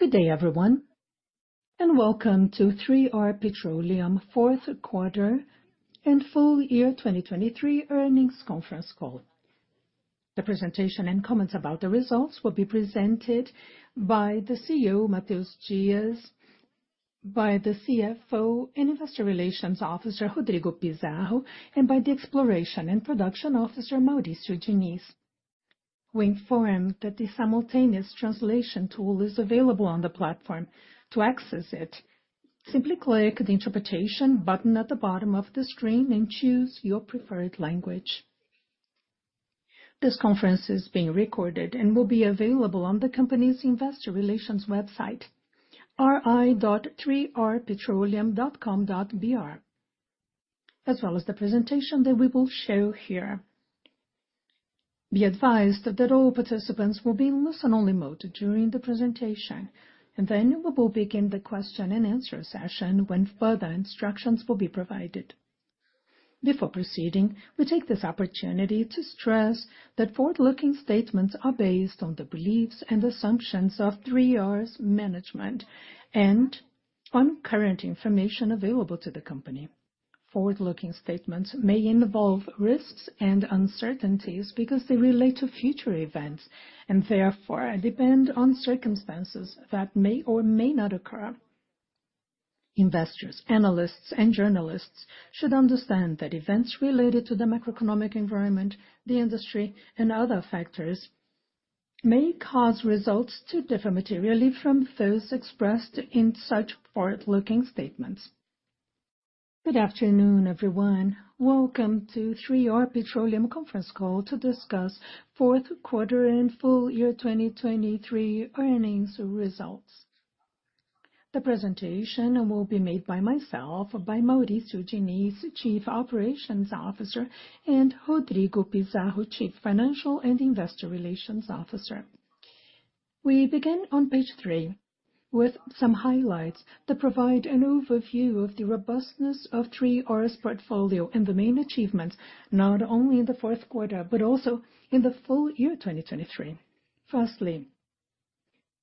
Good day, everyone, and welcome to 3R Petroleum fourth quarter and full year 2023 earnings conference call. The presentation and comments about the results will be presented by the CEO, Matheus Dias, by the CFO and Investor Relations Officer, Rodrigo Pizarro, and by the Exploration and Production Officer, Maurício Diniz. We inform that the simultaneous translation tool is available on the platform. To access it, simply click the interpretation button at the bottom of the screen and choose your preferred language. This conference is being recorded and will be available on the company's Investor Relations website, ri.3rpetroleum.com.br, as well as the presentation that we will show here. Be advised that all participants will be in listen-only mode during the presentation, and then we will begin the question-and-answer session when further instructions will be provided. Before proceeding, we take this opportunity to stress that forward-looking statements are based on the beliefs and assumptions of 3R's management and on current information available to the company. Forward-looking statements may involve risks and uncertainties because they relate to future events and, therefore, depend on circumstances that may or may not occur. Investors, analysts, and journalists should understand that events related to the macroeconomic environment, the industry, and other factors may cause results to differ materially from those expressed in such forward-looking statements. Good afternoon, everyone. Welcome to 3R Petroleum conference call to discuss fourth quarter and full year 2023 earnings results. The presentation will be made by myself, by Maurício Diniz, Chief Operations Officer, and Rodrigo Pizarro, Chief Financial and Investor Relations Officer. We begin on page three with some highlights that provide an overview of the robustness of 3R's portfolio and the main achievements not only in the fourth quarter but also in the full year 2023. Firstly,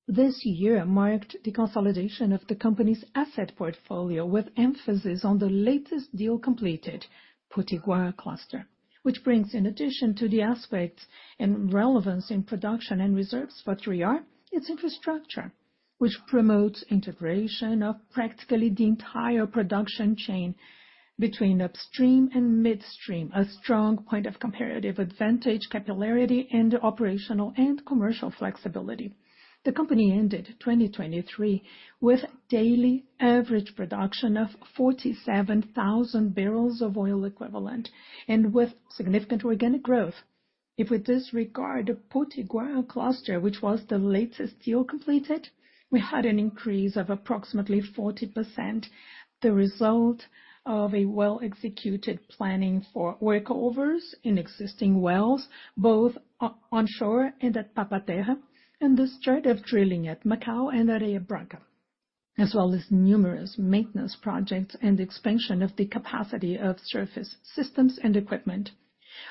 this year marked the consolidation of the company's asset portfolio with emphasis on the latest deal completed, Potiguar Cluster, which brings, in addition to the aspects and relevance in production and reserves for 3R, its infrastructure, which promotes integration of practically the entire production chain between upstream and midstream, a strong point of comparative advantage, capillarity, and operational and commercial flexibility. The company ended 2023 with daily average production of 47,000 barrels of oil equivalent and with significant organic growth. If we disregard the Potiguar Cluster, which was the latest deal completed, we had an increase of approximately 40%, the result of well-executed planning for workovers in existing wells, both onshore and Papa-Terra, and the start of drilling at Macau and Areia Branca, as well as numerous maintenance projects and the expansion of the capacity of surface systems and equipment.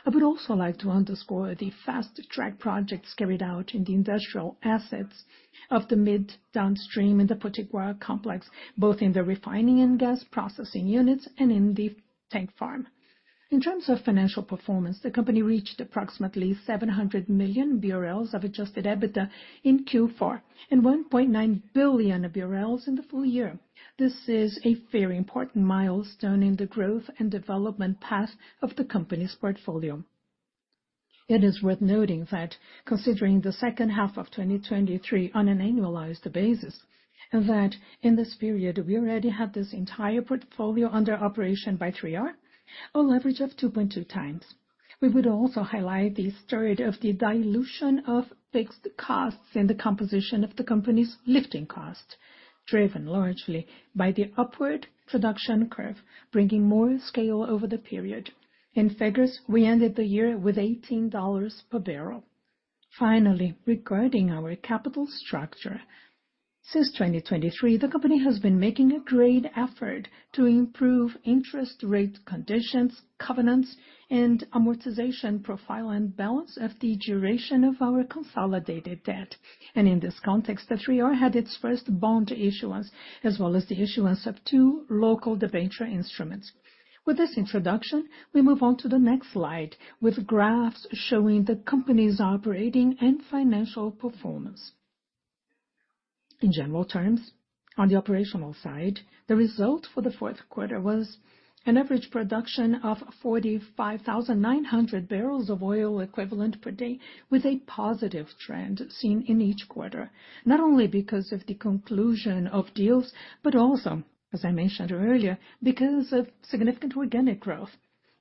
I would also like to underscore the fast-track projects carried out in the industrial assets of the mid-downstream in the Potiguar Complex, both in the refining and gas processing units and in the tank farm. In terms of financial performance, the company reached approximately 700 million BRL of adjusted EBITDA in Q4 and 1.9 billion BRL in the full year. This is a very important milestone in the growth and development path of the company's portfolio. It is worth noting that, considering the second half of 2023 on an annualized basis, and that in this period we already had this entire portfolio under operation by 3R, a leverage of 2.2x. We would also highlight the start of the dilution of fixed costs in the composition of the company's lifting costs, driven largely by the upward production curve, bringing more scale over the period. In figures, we ended the year with $18 per barrel. Finally, regarding our capital structure, since 2023, the company has been making a great effort to improve interest rate conditions, covenants, and amortization profile and balance of the duration of our consolidated debt. And in this context, 3R had its first bond issuance, as well as the issuance of two local debenture instruments. With this introduction, we move on to the next slide with graphs showing the company's operating and financial performance. In general terms, on the operational side, the result for the fourth quarter was an average production of 45,900 barrels of oil equivalent per day, with a positive trend seen in each quarter, not only because of the conclusion of deals but also, as I mentioned earlier, because of significant organic growth,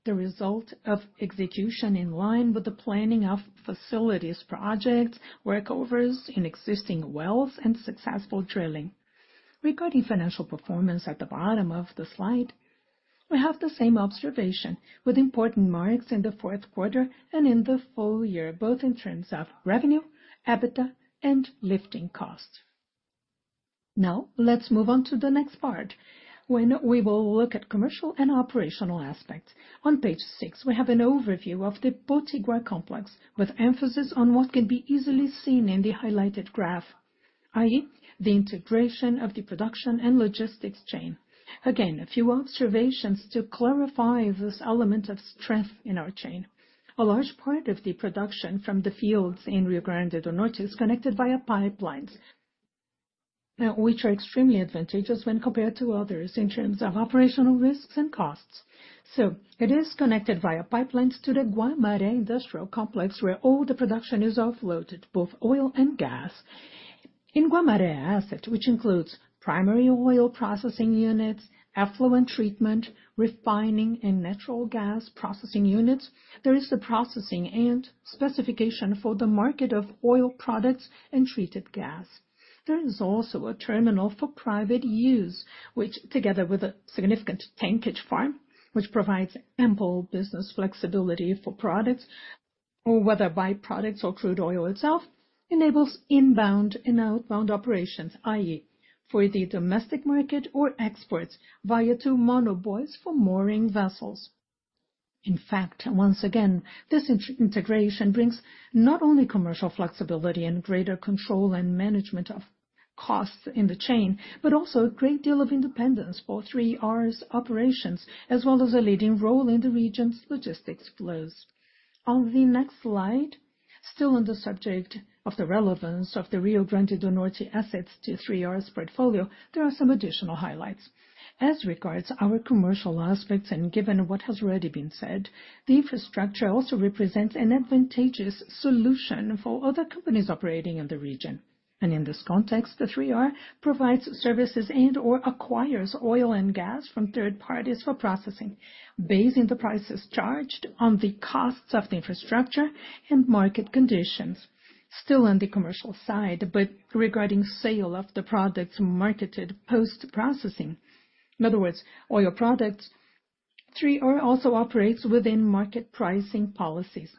the result of execution in line with the planning of facilities projects, workovers in existing wells, and successful drilling. Regarding financial performance at the bottom of the slide, we have the same observation with important marks in the fourth quarter and in the full year, both in terms of revenue, EBITDA, and lifting costs. Now, let's move on to the next part when we will look at commercial and operational aspects. On page six, we have an overview of the Potiguar Complex with emphasis on what can be easily seen in the highlighted graph, i.e., the integration of the production and logistics chain. Again, a few observations to clarify this element of strength in our chain. A large part of the production from the fields in Rio Grande do Norte is connected via pipelines, which are extremely advantageous when compared to others in terms of operational risks and costs. So, it is connected via pipelines to the Guamaré Industrial Complex where all the production is offloaded, both oil and gas. In Guamaré Asset, which includes primary oil processing units, effluent treatment, refining, and natural gas processing units, there is the processing and specification for the market of oil products and treated gas. There is also a terminal for private use, which, together with a significant tankage farm, provides ample business flexibility for products, whether byproducts or crude oil itself, enables inbound and outbound operations, i.e., for the domestic market or exports via two monobuoys for mooring vessels. In fact, once again, this integration brings not only commercial flexibility and greater control and management of costs in the chain but also a great deal of independence for 3R's operations, as well as a leading role in the region's logistics flows. On the next slide, still on the subject of the relevance of the Rio Grande do Norte assets to 3R's portfolio, there are some additional highlights. As regards our commercial aspects, and given what has already been said, the infrastructure also represents an advantageous solution for other companies operating in the region. In this context, 3R provides services and/or acquires oil and gas from third parties for processing, basing the prices charged on the costs of the infrastructure and market conditions. Still on the commercial side, but regarding sale of the products marketed post-processing, in other words, oil products, 3R also operates within market pricing policies.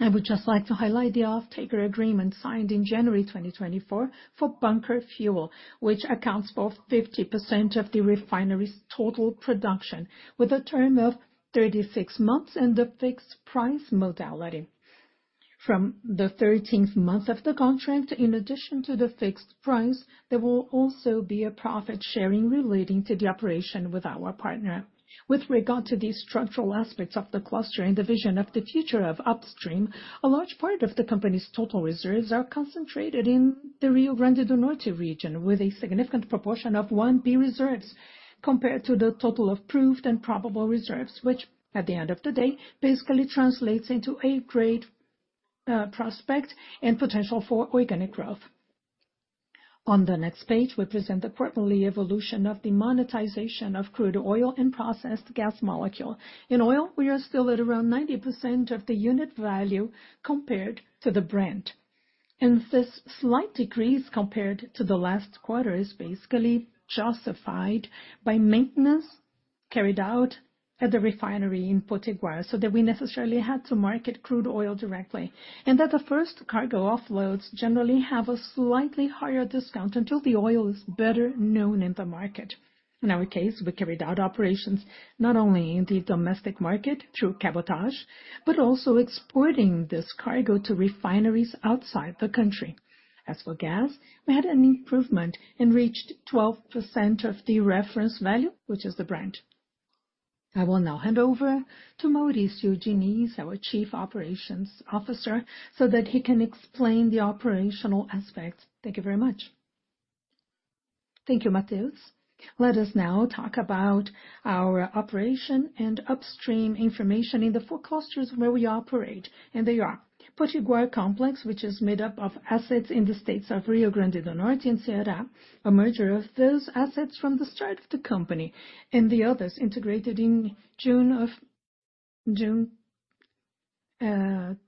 I would just like to highlight the off-taker agreement signed in January 2024 for bunker fuel, which accounts for 50% of the refinery's total production with a term of 36 months and the fixed price modality. From the 13th month of the contract, in addition to the fixed price, there will also be a profit sharing relating to the operation with our partner. With regard to the structural aspects of the cluster and the vision of the future of upstream, a large part of the company's total reserves are concentrated in the Rio Grande do Norte region, with a significant proportion of 1P Reserves compared to the total of proved and probable reserves, which, at the end of the day, basically translates into a great prospect and potential for organic growth. On the next page, we present the quarterly evolution of the monetization of crude oil and processed gas molecule. In oil, we are still at around 90% of the unit value compared to the Brent. This slight decrease compared to the last quarter is basically justified by maintenance carried out at the refinery in Potiguar, so that we necessarily had to market crude oil directly, and that the first cargo offloads generally have a slightly higher discount until the oil is better known in the market. In our case, we carried out operations not only in the domestic market through cabotage but also exporting this cargo to refineries outside the country. As for gas, we had an improvement and reached 12% of the reference value, which is the Brent. I will now hand over to Maurício Diniz, our Chief Operations Officer, so that he can explain the operational aspects. Thank you very much. Thank you, Matheus. Let us now talk about our operation and upstream information in the four clusters where we operate, and they are: Potiguar Complex, which is made up of assets in the states of Rio Grande do Norte and Ceará, a merger of those assets from the start of the company, and the others integrated in June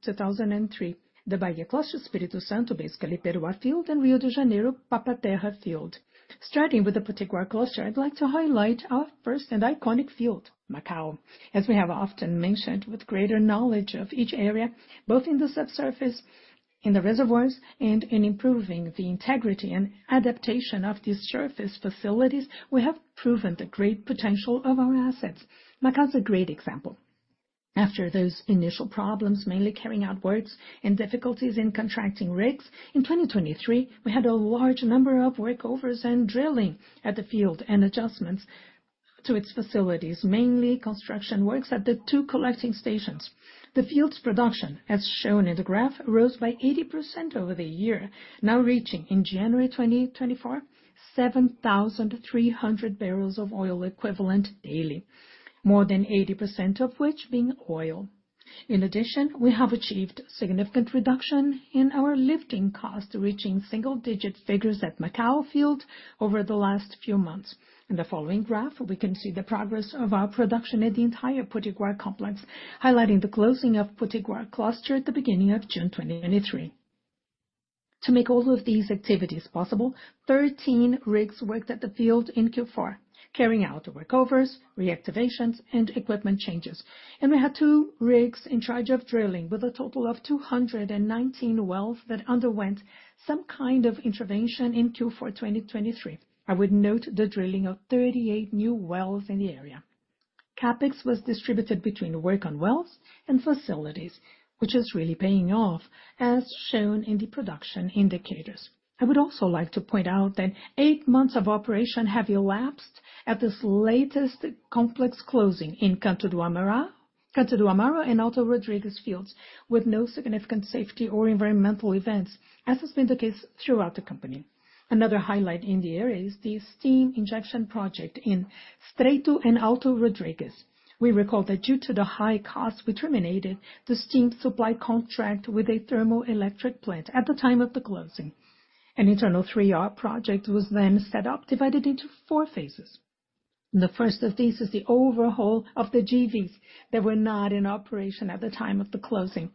2023: the Bahia Cluster, Espírito Santo, basically Peroá Field, and Rio de Janeiro, Papa-Terra Field. Starting with the Potiguar Cluster, I'd like to highlight our first and iconic field, Macau. As we have often mentioned, with greater knowledge of each area, both in the subsurface, in the reservoirs, and in improving the integrity and adaptation of these surface facilities, we have proven the great potential of our assets. Macau is a great example. After those initial problems, mainly carrying out works and difficulties in contracting rigs, in 2023, we had a large number of workovers and drilling at the field and adjustments to its facilities, mainly construction works at the two collecting stations. The field's production, as shown in the graph, rose by 80% over the year, now reaching, in January 2024, 7,300 barrels of oil equivalent daily, more than 80% of which being oil. In addition, we have achieved significant reduction in our lifting costs, reaching single-digit figures at Macau Field over the last few months. In the following graph, we can see the progress of our production at the entire Potiguar Complex, highlighting the closing of Potiguar Cluster at the beginning of June 2023. To make all of these activities possible, 13 rigs worked at the field in Q4, carrying out workovers, reactivations, and equipment changes, and we had two rigs in charge of drilling, with a total of 219 wells that underwent some kind of intervention in Q4 2023. I would note the drilling of 38 new wells in the area. CapEx was distributed between work on wells and facilities, which is really paying off, as shown in the production indicators. I would also like to point out that eight months of operation have elapsed at this latest complex closing in Canto do Amaro, Canto do Amaro, and Alto Rodrigues fields, with no significant safety or environmental events, as has been the case throughout the company. Another highlight in the area is the steam injection project in Estreito and Alto Rodrigues. We recall that due to the high costs, we terminated the steam supply contract with a thermoelectric plant at the time of the closing. An internal 3R project was then set up, divided into four phases. The first of these is the overhaul of the GVs that were not in operation at the time of the closing.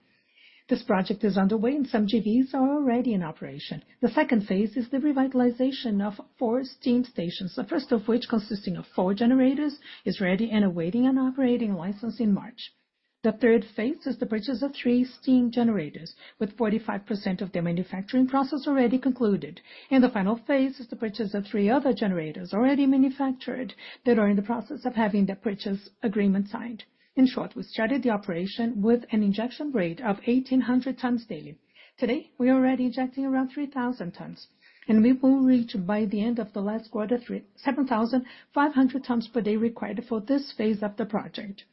This project is underway, and some GVs are already in operation. The second phase is the revitalization of four steam stations, the first of which consisting of four generators is ready and awaiting an operating license in March. The third phase is the purchase of three steam generators, with 45% of their manufacturing process already concluded, and the final phase is the purchase of three other generators already manufactured that are in the process of having the purchase agreement signed. In short, we started the operation with an injection rate of 1,800 tons daily. Today, we are already injecting around 3,000 tons, and we will reach, by the end of the last quarter, 7,500 tons per day required for this phase of the project.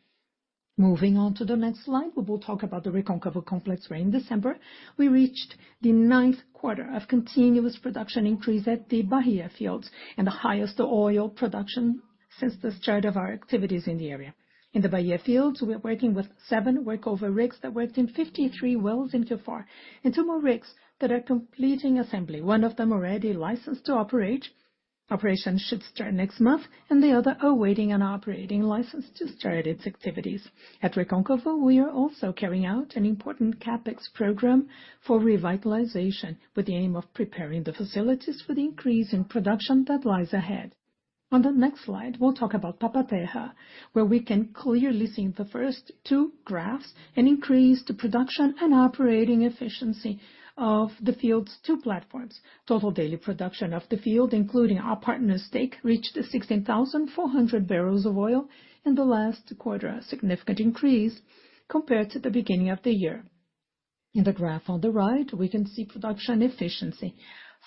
Moving on to the next slide, we will talk about the Recôncavo Complex where, in December, we reached the ninth quarter of continuous production increase at the Bahia Fields and the highest oil production since the start of our activities in the area. In the Bahia Fields, we are working with seven workover rigs that worked in 53 wells in Q4 and two more rigs that are completing assembly, one of them already licensed to operate, operation should start next month, and the other awaiting an operating license to start its activities. At Recôncavo, we are also carrying out an important CapEx program for revitalization with the aim of preparing the facilities for the increase in production that lies ahead. On the next slide, we'll talk Papa-Terra, where we can clearly see in the first two graphs an increase to production and operating efficiency of the field's two platforms. Total daily production of the field, including our partner's stake, reached 16,400 barrels of oil in the last quarter, a significant increase compared to the beginning of the year. In the graph on the right, we can see production efficiency.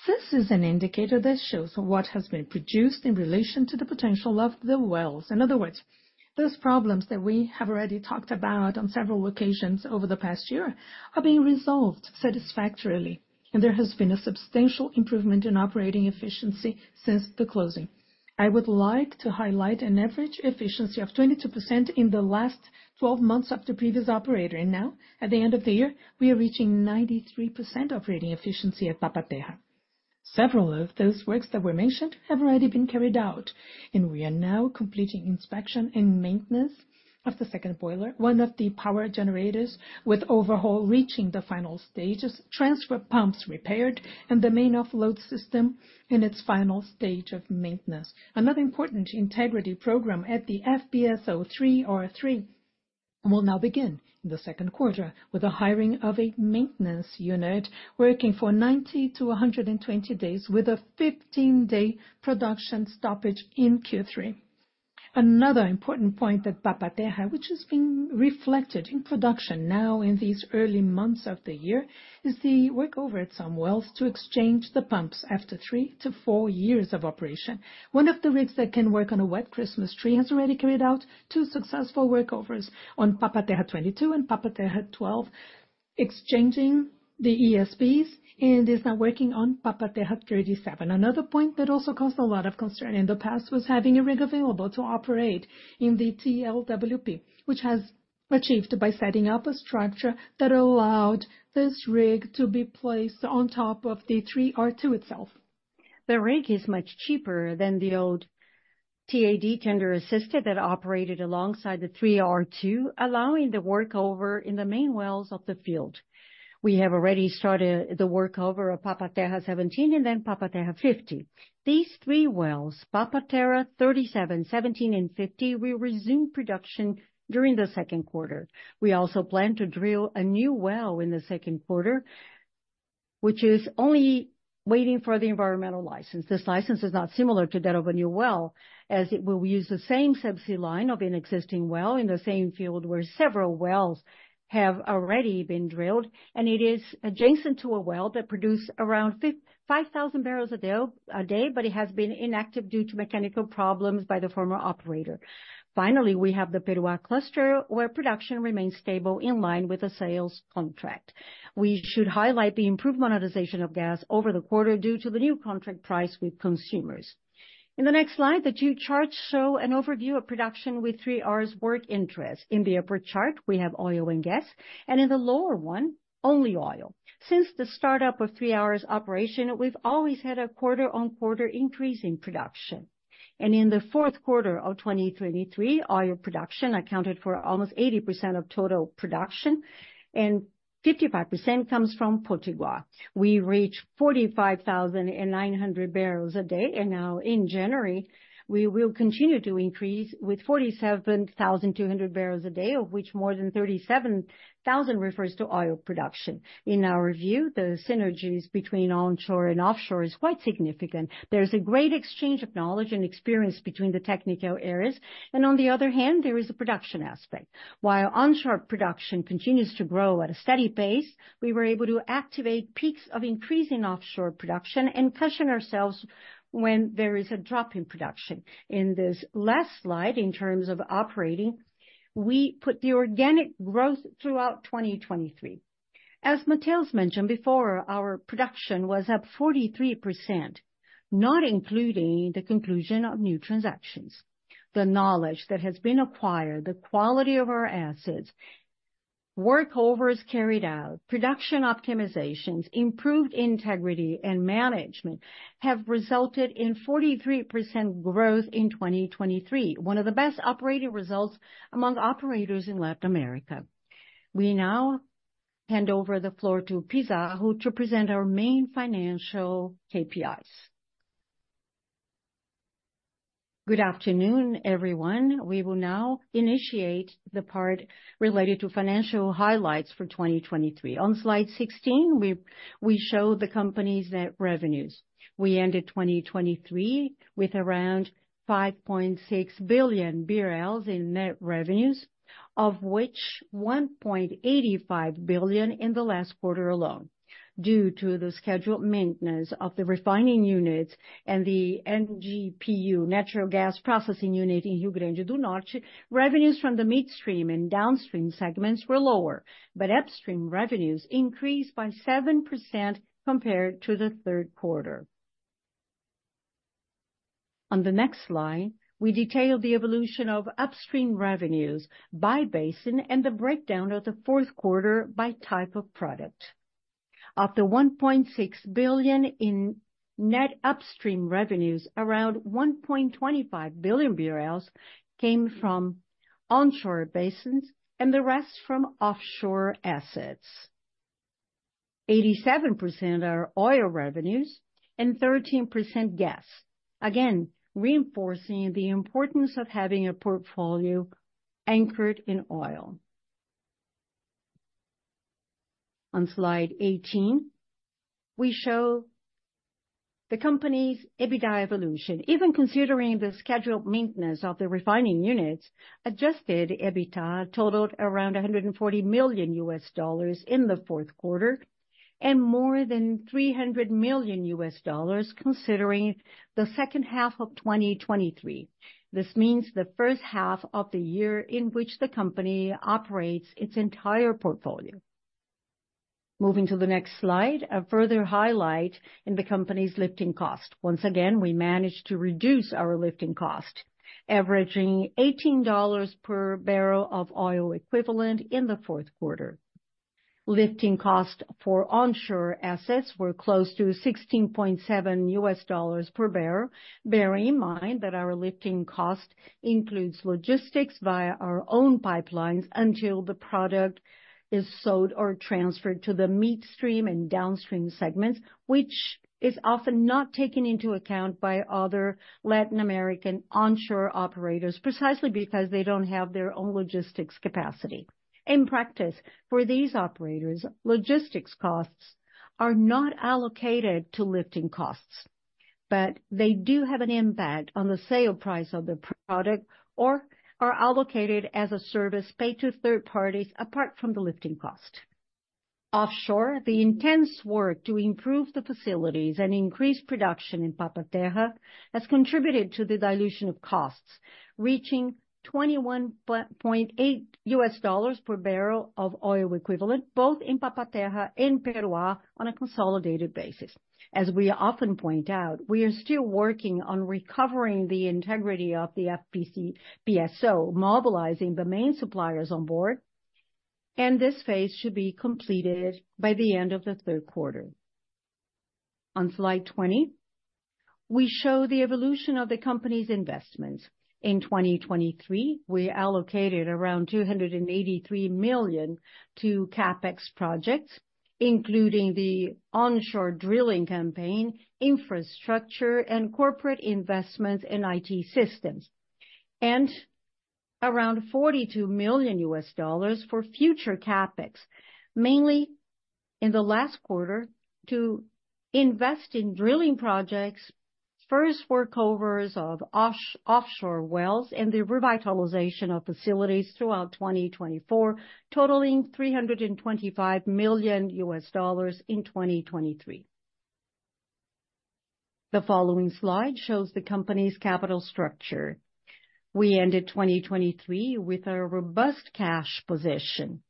This is an indicator that shows what has been produced in relation to the potential of the wells. In other words, those problems that we have already talked about on several occasions over the past year are being resolved satisfactorily, and there has been a substantial improvement in operating efficiency since the closing. I would like to highlight an average efficiency of 22% in the last 12 months of the previous operator, and now, at the end of the year, we are reaching 93% operating efficiency Papa-Terra. several of those works that were mentioned have already been carried out, and we are now completing inspection and maintenance of the second boiler, one of the power generators with overhaul reaching the final stages, transfer pumps repaired, and the main offload system in its final stage of maintenance. Another important integrity program at the FPSO 3R-3 will now begin in the second quarter with the hiring of a maintenance unit working for 90-120 days, with a 15-day production stoppage in Q3. Another important point at Papa-Terra, which has been reflected in production now in these early months of the year, is the workover at some wells to exchange the pumps after three to four years of operation. One of the rigs that can work on a Wet Christmas tree has already carried out two successful workovers on Papa-Terra 22 and Papa-Terra 12, exchanging the ESPs, and is now working on Papa-Terra 37. Another point that also caused a lot of concern in the past was having a rig available to operate in the TLWP, which has achieved by setting up a structure that allowed this rig to be placed on top of the 3R-2 itself. The rig is much cheaper than the old TAD tender assisted that operated alongside the 3R-2, allowing the workover in the main wells of the field. We have already started the workover Papa-Terra 17 and Papa-Terra 50. These three Papa-Terra 37, 17, and 50, will resume production during the second quarter. We also plan to drill a new well in the second quarter, which is only waiting for the environmental license. This license is not similar to that of a new well, as it will use the same subsea line of an existing well in the same field where several wells have already been drilled, and it is adjacent to a well that produced around 5,000 barrels a day, but it has been inactive due to mechanical problems by the former operator. Finally, we have the Peroá Cluster, where production remains stable in line with a sales contract. We should highlight the improved monetization of gas over the quarter due to the new contract price with consumers. In the next slide, the two charts show an overview of production with 3R's working interest. In the upper chart, we have oil and gas, and in the lower one, only oil. Since the startup of 3R's operation, we've always had a quarter-on-quarter increase in production. In the fourth quarter of 2023, oil production accounted for almost 80% of total production, and 55% comes from Potiguar. We reached 45,900 barrels a day, and now, in January, we will continue to increase with 47,200 barrels a day, of which more than 37,000 refers to oil production. In our view, the synergies between onshore and offshore are quite significant. There is a great exchange of knowledge and experience between the technical areas, and on the other hand, there is a production aspect. While onshore production continues to grow at a steady pace, we were able to activate peaks of increasing offshore production and cushion ourselves when there is a drop in production. In this last slide, in terms of operating, we put the organic growth throughout 2023. As Matheus mentioned before, our production was up 43%, not including the conclusion of new transactions. The knowledge that has been acquired, the quality of our assets, workovers carried out, production optimizations, improved integrity, and management have resulted in 43% growth in 2023, one of the best operating results among operators in Latin America. We now hand over the floor to Pizarro, who will present our main financial KPIs. Good afternoon, everyone. We will now initiate the part related to financial highlights for 2023. On slide 16, we show the company's net revenues. We ended 2023 with around 5.6 billion BRL in net revenues, of which 1.85 billion in the last quarter alone. Due to the scheduled maintenance of the refining units and the NGPU, Natural Gas Processing Unit, in Rio Grande do Norte, revenues from the midstream and downstream segments were lower, but upstream revenues increased by 7% compared to the third quarter. On the next slide, we detail the evolution of upstream revenues by basin and the breakdown of the fourth quarter by type of product. Of the 1.6 billion in net upstream revenues, around 1.25 billion BRL came from onshore basins and the rest from offshore assets. 87% are oil revenues and 13% gas, again reinforcing the importance of having a portfolio anchored in oil. On slide 18, we show the company's EBITDA evolution. Even considering the scheduled maintenance of the refining units, adjusted EBITDA totaled around $140 million in the fourth quarter and more than $300 million considering the second half of 2023. This means the first half of the year in which the company operates its entire portfolio. Moving to the next slide, a further highlight in the company's lifting cost. Once again, we managed to reduce our lifting cost, averaging $18 per barrel of oil equivalent in the fourth quarter. Lifting costs for onshore assets were close to $16.70 per barrel, bearing in mind that our lifting cost includes logistics via our own pipelines until the product is sold or transferred to the midstream and downstream segments, which is often not taken into account by other Latin American onshore operators precisely because they don't have their own logistics capacity. In practice, for these operators, logistics costs are not allocated to lifting costs, but they do have an impact on the sale price of the product or are allocated as a service paid to third parties apart from the lifting cost. Offshore, the intense work to improve the facilities and increase production Papa-Terra has contributed to the dilution of costs, reaching $21.8 per barrel of oil equivalent, both Papa-Terra and Peroá on a consolidated basis. As we often point out, we are still working on recovering the integrity of the FPSO, mobilizing the main suppliers on board, and this phase should be completed by the end of the third quarter. On slide 20, we show the evolution of the company's investments. In 2023, we allocated around $283 million to CapEx projects, including the onshore drilling campaign, infrastructure, and corporate investments in IT systems, and around $42 million for future CapEx, mainly in the last quarter, to invest in drilling projects, first workovers of offshore wells, and the revitalization of facilities throughout 2024, totaling $325 million in 2023. The following slide shows the company's capital structure. We ended 2023 with a robust cash position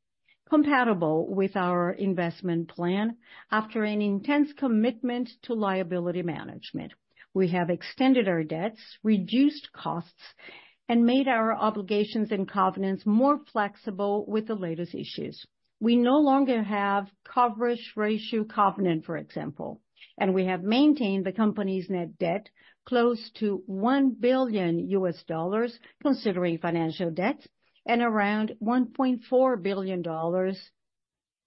compatible with our investment plan after an intense commitment to liability management. We have extended our debts, reduced costs, and made our obligations and covenants more flexible with the latest issues. We no longer have coverage ratio covenant, for example, and we have maintained the company's net debt close to $1 billion considering financial debts and around $1.4 billion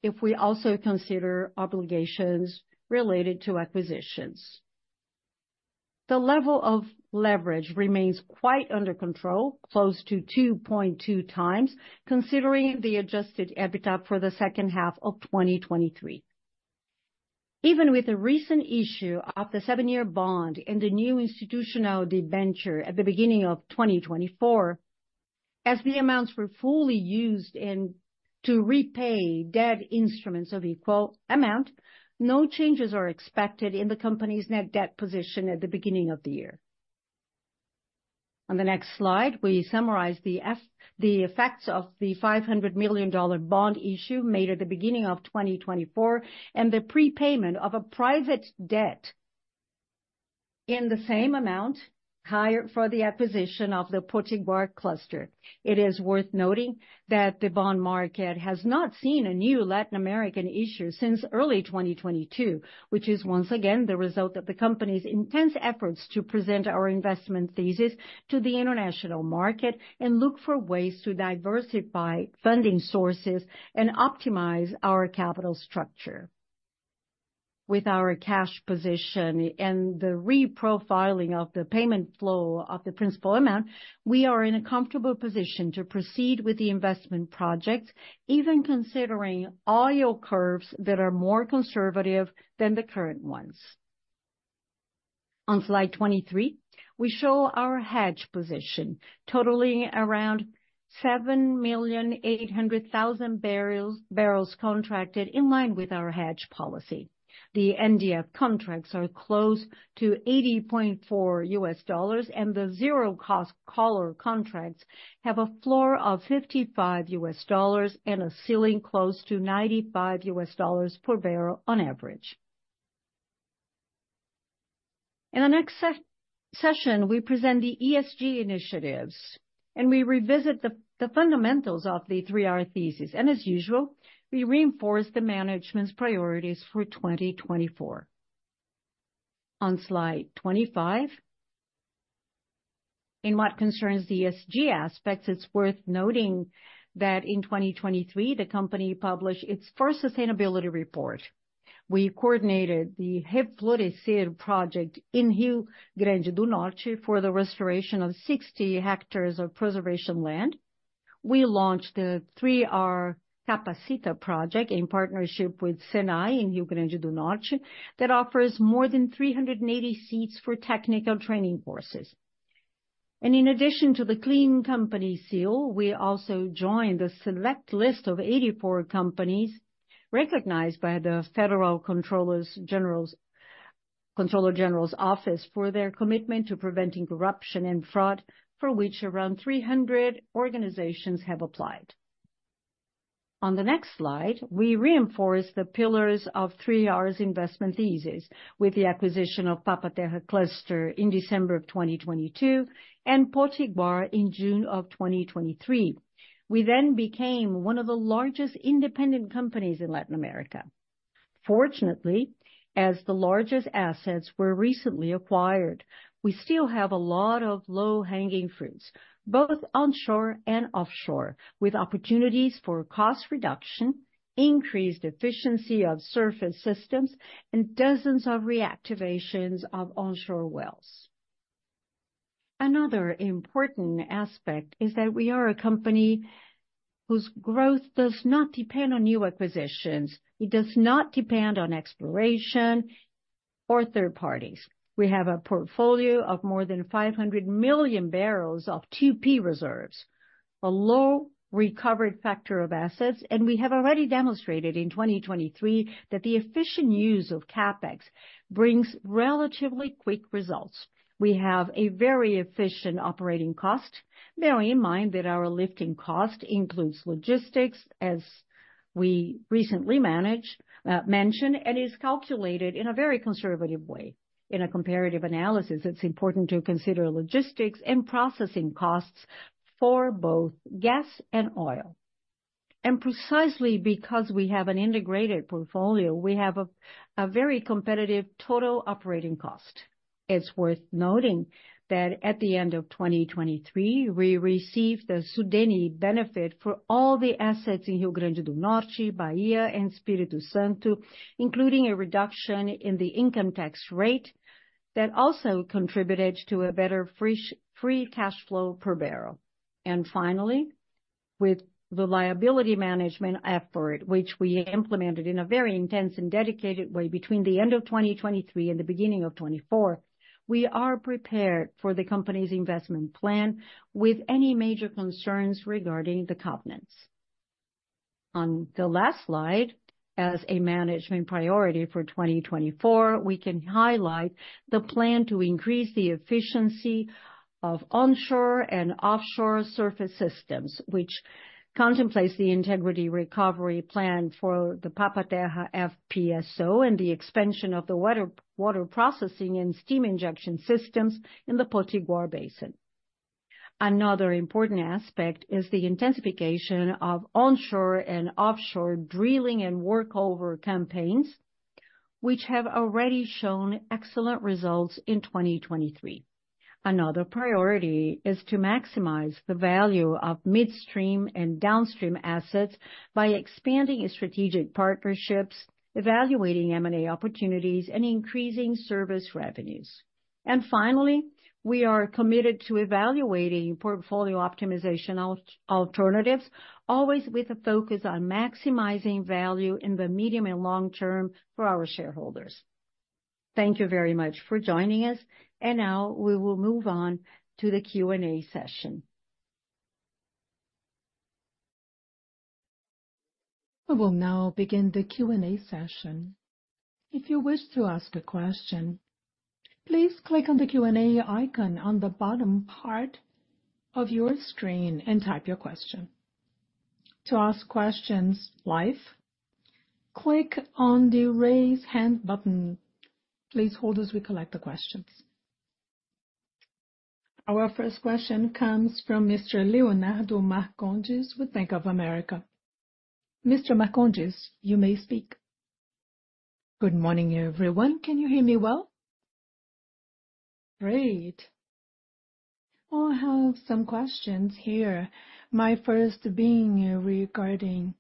if we also consider obligations related to acquisitions. The level of leverage remains quite under control, close to 2.2x considering the adjusted EBITDA for the second half of 2023. Even with the recent issue of the seven-year bond and the new institutional debenture at the beginning of 2024, as the amounts were fully used to repay debt instruments of equal amount, no changes are expected in the company's net debt position at the beginning of the year. On the next slide, we summarize the effects of the $500 million bond issue made at the beginning of 2024 and the prepayment of a private debt in the same amount higher for the acquisition of the Potiguar Cluster. It is worth noting that the bond market has not seen a new Latin American issue since early 2022, which is once again the result of the company's intense efforts to present our investment thesis to the international market and look for ways to diversify funding sources and optimize our capital structure. With our cash position and the reprofiling of the payment flow of the principal amount, we are in a comfortable position to proceed with the investment projects, even considering oil curves that are more conservative than the current ones. On slide 23, we show our hedge position, totaling around 7,800,000 barrels contracted in line with our hedge policy. The NDF contracts are close to $80.4, and the zero-cost collar contracts have a floor of $55 and a ceiling close to $95 per barrel on average. In the next session, we present the ESG initiatives, and we revisit the fundamentals of the 3R thesis, and as usual, we reinforce the management's priorities for 2024. On slide 25, in what concerns the ESG aspects, it's worth noting that in 2023, the company published its first sustainability report. We coordinated the Reflorescer Project in Rio Grande do Norte for the restoration of 60 hectares of preservation land. We launched the 3R Capacita project in partnership with SENAI in Rio Grande do Norte that offers more than 380 seats for technical training courses. In addition to the Clean Company seal, we also joined a select list of 84 companies recognized by the Federal Comptroller General's Office for their commitment to preventing corruption and fraud, for which around 300 organizations have applied. On the next slide, we reinforce the pillars of 3R's investment thesis, with the acquisition Papa-Terra Cluster in December of 2022 and Potiguar in June of 2023. We then became one of the largest independent companies in Latin America. Fortunately, as the largest assets were recently acquired, we still have a lot of low-hanging fruits, both onshore and offshore, with opportunities for cost reduction, increased efficiency of surface systems, and dozens of reactivations of onshore wells. Another important aspect is that we are a company whose growth does not depend on new acquisitions. It does not depend on exploration or third parties. We have a portfolio of more than 500 million barrels of 2P Reserves, a low recovery factor of assets, and we have already demonstrated in 2023 that the efficient use of CapEx brings relatively quick results. We have a very efficient operating cost, bearing in mind that our lifting cost includes logistics, as we recently mentioned, and is calculated in a very conservative way. In a comparative analysis, it's important to consider logistics and processing costs for both gas and oil. Precisely because we have an integrated portfolio, we have a very competitive total operating cost. It's worth noting that at the end of 2023, we received a SUDENE benefit for all the assets in Rio Grande do Norte, Bahia, and Espírito Santo, including a reduction in the income tax rate that also contributed to a better free cash flow per barrel. Finally, with the liability management effort, which we implemented in a very intense and dedicated way between the end of 2023 and the beginning of 2024, we are prepared for the company's investment plan with any major concerns regarding the covenants. On the last slide, as a management priority for 2024, we can highlight the plan to increase the efficiency of onshore and offshore surface systems, which contemplates the integrity recovery plan for Papa-Terra FPSO and the expansion of the water processing and steam injection systems in the Potiguar Basin. Another important aspect is the intensification of onshore and offshore drilling and workover campaigns, which have already shown excellent results in 2023. Another priority is to maximize the value of midstream and downstream assets by expanding strategic partnerships, evaluating M&A opportunities, and increasing service revenues. And finally, we are committed to evaluating portfolio optimization alternatives, always with a focus on maximizing value in the medium and long term for our shareholders. Thank you very much for joining us, and now we will move on to the Q&A session. I will now begin the Q&A session. If you wish to ask a question, please click on the Q&A icon on the bottom part of your screen and type your question. To ask questions live, click on the Raise Hand button. Please hold as we collect the questions. Our first question comes from Mr. Leonardo Marcondes with Bank of America. Mr. Marcondes, you may speak. Good morning, everyone. Can you hear me well? Great. I have some questions here, my first being regarding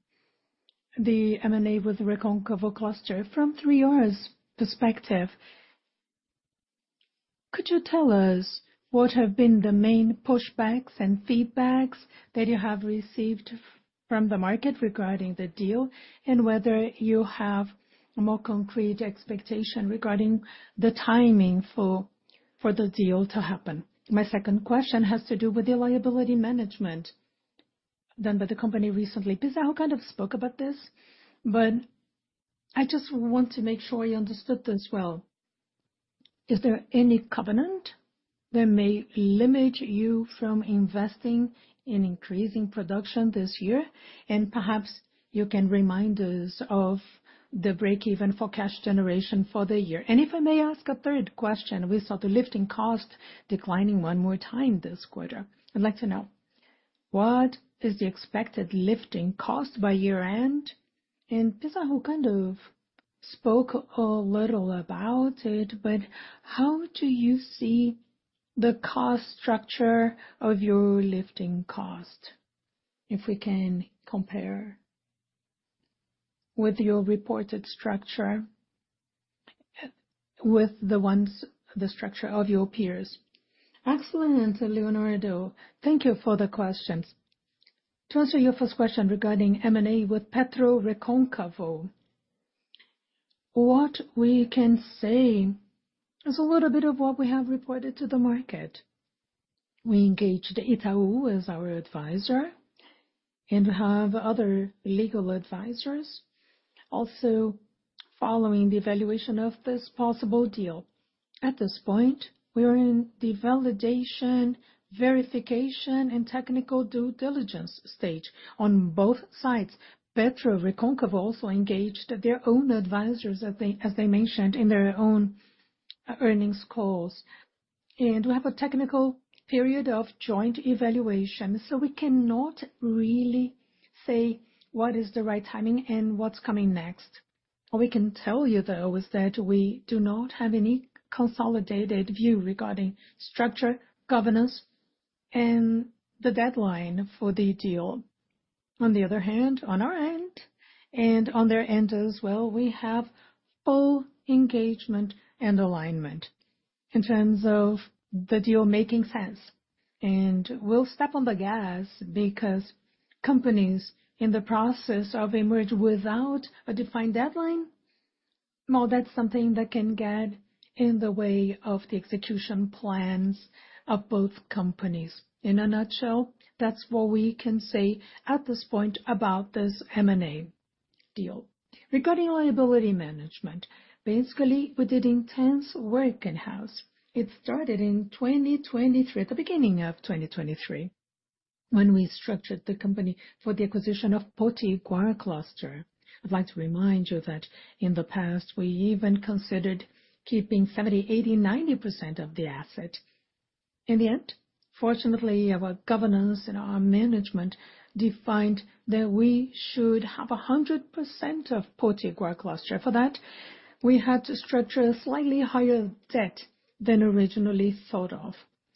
the M&A with Recôncavo Cluster from 3R's perspective. Could you tell us what have been the main pushbacks and feedbacks that you have received from the market regarding the deal and whether you have a more concrete expectation regarding the timing for for the deal to happen? My second question has to do with the liability management done by the company recently. Pizarro kind of spoke about this, but I just want to make sure you understood this well. Is there any covenant that may limit you from investing in increasing production this year? And perhaps you can remind us of the breakeven for cash generation for the year. And if I may ask a third question, we saw the lifting cost declining one more time this quarter. I'd like to know, what is the expected lifting cost by year-end? And Pizarro kind of spoke a little about it, but how do you see the cost structure of your lifting cost, if we can compare with your reported structure with the ones the structure of your peers? Excellent, Leonardo. Thank you for the questions. To answer your first question regarding M&A with PetroRecôncavo, what we can say is a little bit of what we have reported to the market. We engaged Itaú as our advisor, and we have other legal advisors also following the evaluation of this possible deal. At this point, we are in the validation, verification, and technical due diligence stage on both sides. PetroRecôncavo also engaged their own advisors, as they mentioned, in their own earnings calls. We have a technical period of joint evaluation, so we cannot really say what is the right timing and what's coming next. What we can tell you, though, is that we do not have any consolidated view regarding structure, governance, and the deadline for the deal. On the other hand, on our end and on their end as well, we have full engagement and alignment in terms of the deal making sense. We'll step on the gas because companies in the process of emerging without a defined deadline, well, that's something that can get in the way of the execution plans of both companies. In a nutshell, that's what we can say at this point about this M&A deal. Regarding liability management, basically, we did intense work in-house. It started in 2023, at the beginning of 2023, when we structured the company for the acquisition of Potiguar Cluster. I'd like to remind you that in the past, we even considered keeping 70%, 80%, 90% of the asset. In the end, fortunately, our governance and our management defined that we should have 100% of Potiguar Cluster. For that, we had to structure a slightly higher debt than originally thought of.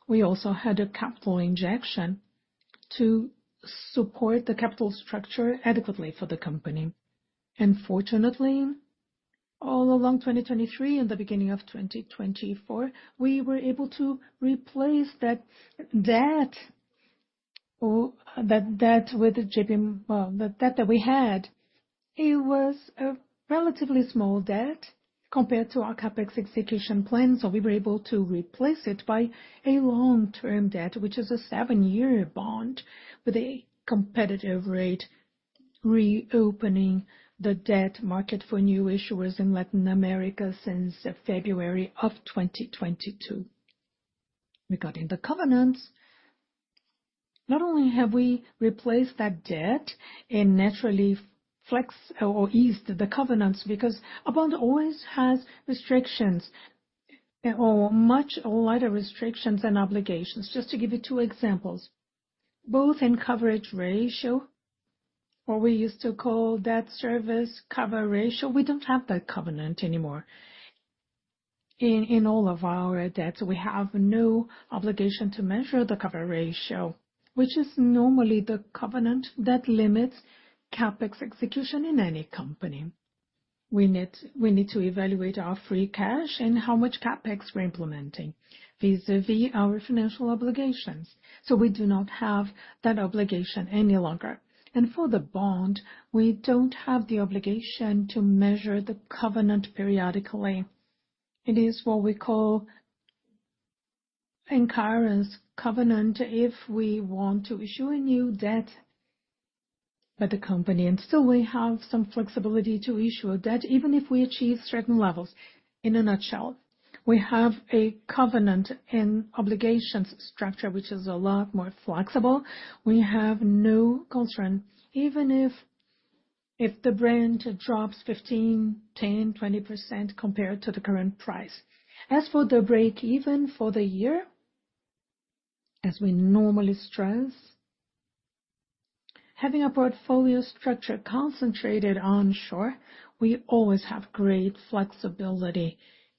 We also had a capital injection to support the capital structure adequately for the company. Fortunately, all along 2023 and the beginning of 2024, we were able to replace that debt with the debt that we had. It was a relatively small debt compared to our CapEx execution plan, so we were able to replace it by a long-term debt, which is a 7-year bond with a competitive rate, reopening the debt market for new issuers in Latin America since February of 2022. Regarding the covenants, not only have we replaced that debt and naturally flexed or eased the covenants because a bond always has restrictions or much lighter restrictions than obligations. Just to give you two examples, both in coverage ratio, or we used to call debt service cover ratio, we don't have that covenant anymore in all of our debts. We have no obligation to measure the cover ratio, which is normally the covenant that limits CapEx execution in any company. We need to evaluate our free cash and how much CapEx we're implementing vis-à-vis our financial obligations. We do not have that obligation any longer. For the bond, we don't have the obligation to measure the covenant periodically. It is what we call incurrence covenant if we want to issue a new debt by the company. Still, we have some flexibility to issue a debt even if we achieve certain levels. In a nutshell, we have a covenant and obligations structure, which is a lot more flexible. We have no concern even if the Brent drops 15%, 10%, 20% compared to the current price. As for the breakeven for the year, as we normally stress, having a portfolio structure concentrated onshore, we always have great flexibility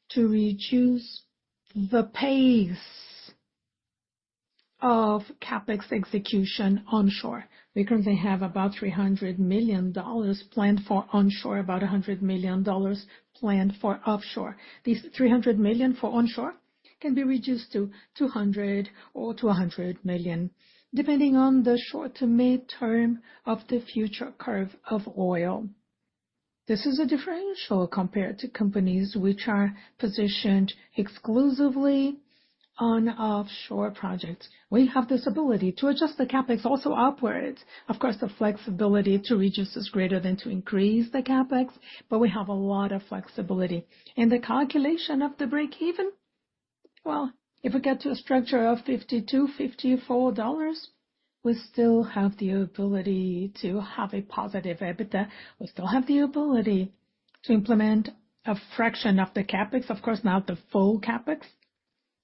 to reduce the pace of CapEx execution onshore. We currently have about $300 million planned for onshore, about $100 million planned for offshore. These $300 million for onshore can be reduced to $200 or $200 million, depending on the short-to-mid term of the future curve of oil. This is a differential compared to companies which are positioned exclusively on offshore projects. We have this ability to adjust the CapEx also upwards. Of course, the flexibility to reduce is greater than to increase the CapEx, but we have a lot of flexibility. And the calculation of the breakeven, well, if we get to a structure of $52-$54, we still have the ability to have a positive EBITDA. We still have the ability to implement a fraction of the CapEx, of course, not the full CapEx.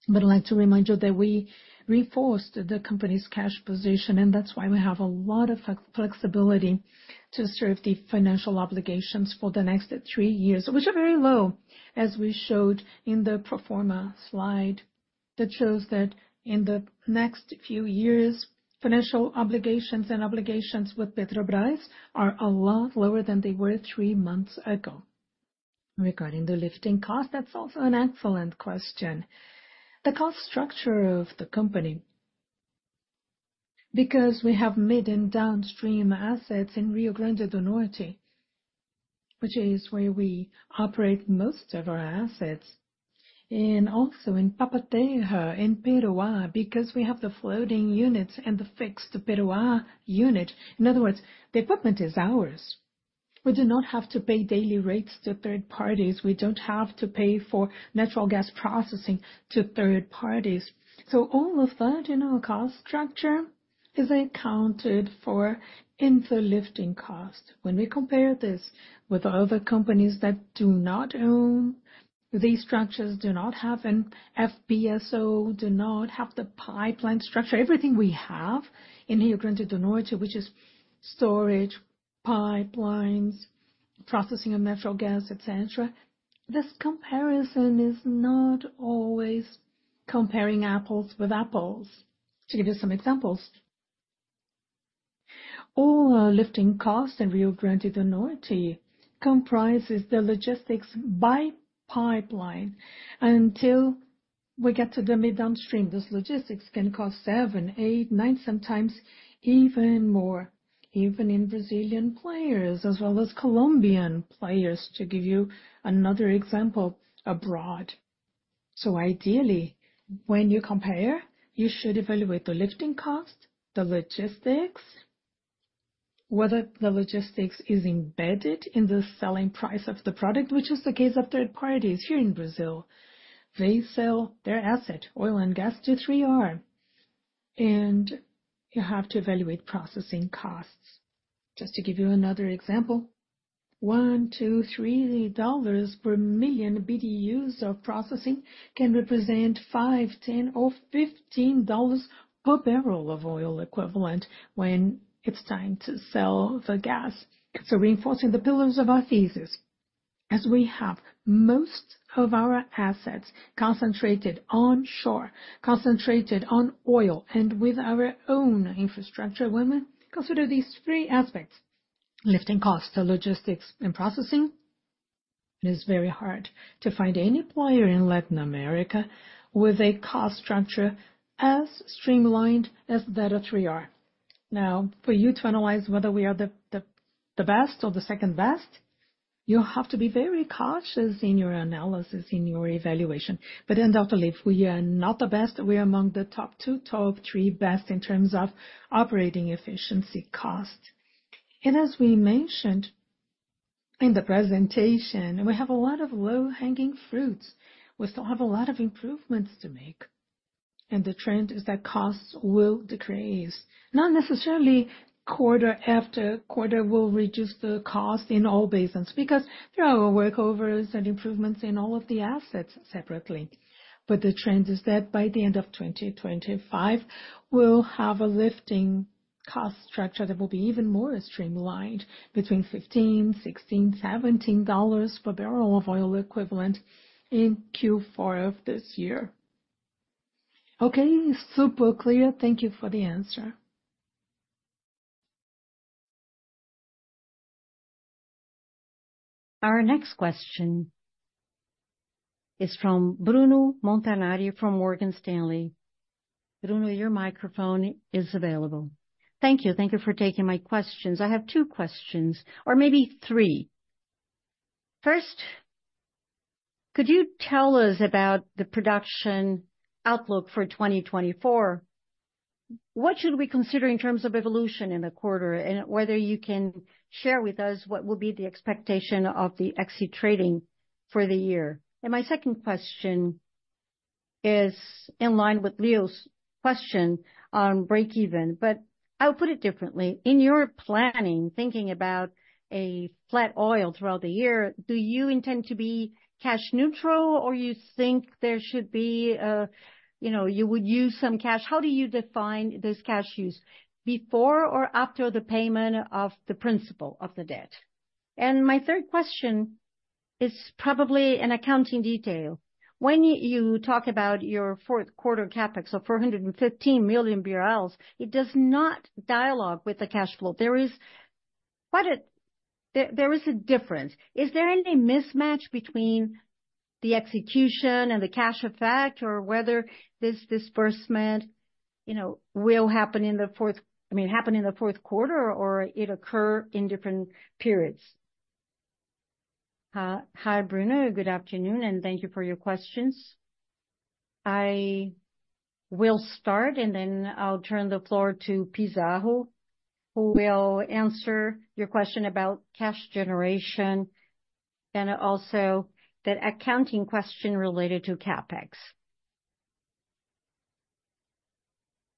But I'd like to remind you that we reinforced the company's cash position, and that's why we have a lot of flexibility to serve the financial obligations for the next three years, which are very low, as we showed in the pro forma slide that shows that in the next few years, financial obligations and obligations with Petrobras are a lot lower than they were three months ago. Regarding the lifting cost, that's also an excellent question. The cost structure of the company, because we have mid and downstream assets in Rio Grande do Norte, which is where we operate most of our assets, and also Papa-Terra, in Peroá, because we have the floating units and the fixed Peroá unit. In other words, the equipment is ours. We do not have to pay daily rates to third parties. We don't have to pay for natural gas processing to third parties. So all of that in our cost structure is accounted for in the lifting cost. When we compare this with other companies that do not own, these structures do not have, and FPSO do not have the pipeline structure. Everything we have in Rio Grande do Norte, which is storage, pipelines, processing of natural gas, etc., this comparison is not always comparing apples with apples. To give you some examples, all our lifting costs in Rio Grande do Norte comprise the logistics by pipeline until we get to the mid-downstream. This logistics can cost seven, eight, nine, sometimes even more, even in Brazilian players as well as Colombian players. To give you another example, abroad. So ideally, when you compare, you should evaluate the lifting cost, the logistics, whether the logistics is embedded in the selling price of the product, which is the case of third parties here in Brazil. They sell their asset, oil and gas, to 3R. You have to evaluate processing costs. Just to give you another example, $1, $2, $3 per million BDUs of processing can represent $5, $10, or $15 per barrel of oil equivalent when it is time to sell the gas. So reinforcing the pillars of our thesis, as we have most of our assets concentrated onshore, concentrated on oil, and with our own infrastructure, when we consider these three aspects, lifting cost, logistics, and processing, it is very hard to find any player in Latin America with a cost structure as streamlined as that of 3R. Now, for you to analyze whether we are the best or the second best, you have to be very cautious in your analysis, in your evaluation. But in that league, we are not the best. We are among the top two, top three best in terms of operating efficiency cost. And as we mentioned in the presentation, we have a lot of low-hanging fruits. We still have a lot of improvements to make. And the trend is that costs will decrease. Not necessarily quarter after quarter will reduce the cost in all basins because there are workovers and improvements in all of the assets separately. But the trend is that by the end of 2025, we'll have a lifting cost structure that will be even more streamlined between $15-$17 per barrel of oil equivalent in Q4 of this year. Okay, super clear. Thank you for the answer. Our next question is from Bruno Montanari from Morgan Stanley. Bruno, your microphone is available. Thank you. Thank you for taking my questions. I have two questions, or maybe three. First, could you tell us about the production outlook for 2024? What should we consider in terms of evolution in the quarter and whether you can share with us what will be the expectation of the exit trading for the year? And my second question is in line with Leo's question on breakeven, but I'll put it differently. In your planning, thinking about a flat oil throughout the year, do you intend to be cash neutral, or do you think there should be a you would use some cash? How do you define this cash use before or after the payment of the principal of the debt? And my third question is probably an accounting detail. When you talk about your fourth quarter CapEx, so 415 million BRL, it does not dialogue with the cash flow. There is quite a difference. Is there any mismatch between the execution and the cash effect, or whether this disbursement will happen in the fourth—I mean, happen in the fourth quarter, or it occur in different periods? Hi, Bruno. Good afternoon, and thank you for your questions. I will start, and then I'll turn the floor to Pizarro, who will answer your question about cash generation and also that accounting question related to CapEx.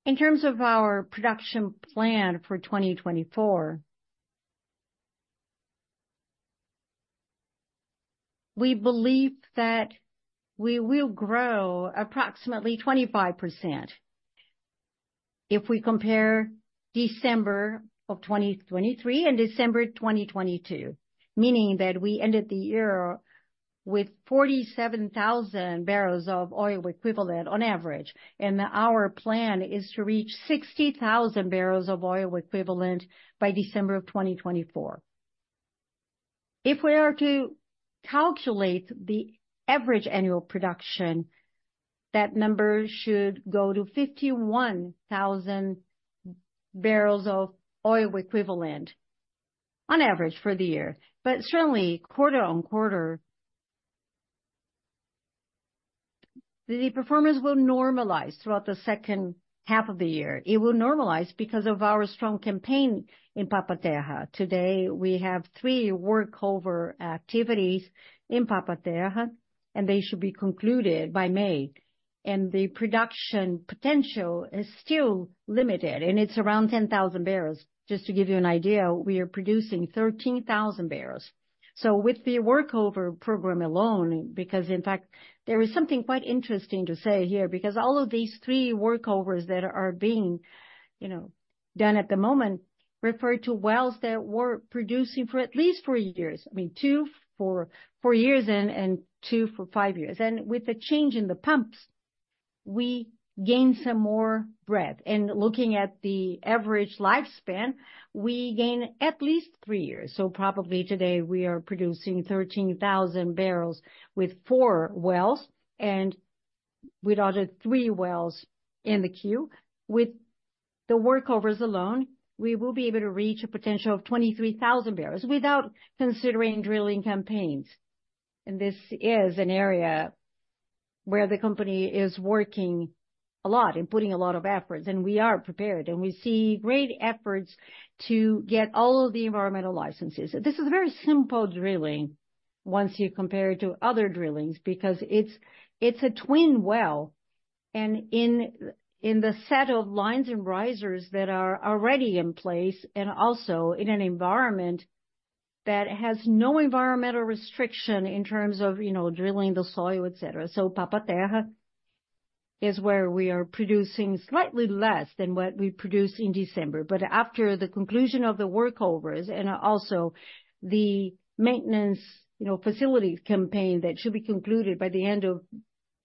In terms of our production plan for 2024, we believe that we will grow approximately 25% if we compare December of 2023 and December 2022, meaning that we ended the year with 47,000 barrels of oil equivalent on average, and our plan is to reach 60,000 barrels of oil equivalent by December of 2024. If we are to calculate the average annual production, that number should go to 51,000 barrels of oil equivalent on average for the year. But certainly, quarter-on-quarter, the performance will normalize throughout the second half of the year. It will normalize because of our strong campaign Papa-Terra. today, we have three workover activities Papa-Terra, and they should be concluded by May. The production potential is still limited, and it's around 10,000 barrels. Just to give you an idea, we are producing 13,000 barrels. So with the workover program alone, because in fact, there is something quite interesting to say here because all of these three workovers that are being done at the moment refer to wells that were producing for at least four years. I mean, two for four years and two for five years. With the change in the pumps, we gain some more breadth. Looking at the average lifespan, we gain at least three years. So probably today, we are producing 13,000 barrels with four wells, and we'd order three wells in the queue. With the workovers alone, we will be able to reach a potential of 23,000 barrels without considering drilling campaigns. This is an area where the company is working a lot and putting a lot of efforts, and we are prepared. We see great efforts to get all of the environmental licenses. This is very simple drilling once you compare it to other drillings because it's a twin well. In the set of lines and risers that are already in place and also in an environment that has no environmental restriction in terms of drilling the soil, etc. So Papa-Terra is where we are producing slightly less than what we produce in December. But after the conclusion of the workovers and also the maintenance facilities campaign that should be concluded by the end of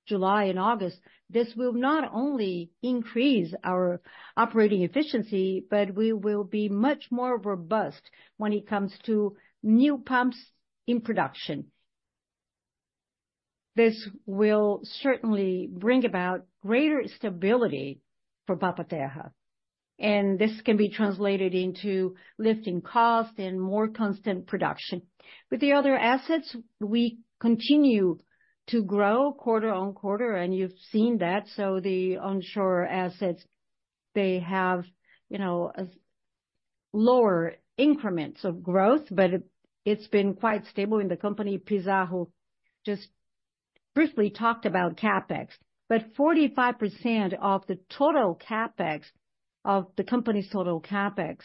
July and August, this will not only increase our operating efficiency, but we will be much more robust when it comes to new pumps in production. This will certainly bring about greater stability for Papa-Terra. And this can be translated into lifting cost and more constant production. With the other assets, we continue to grow quarter-on-quarter, and you've seen that. So the onshore assets, they have lower increments of growth, but it's been quite stable in the company. Pizarro just briefly talked about CapEx, but 45% of the total CapEx of the company's total CapEx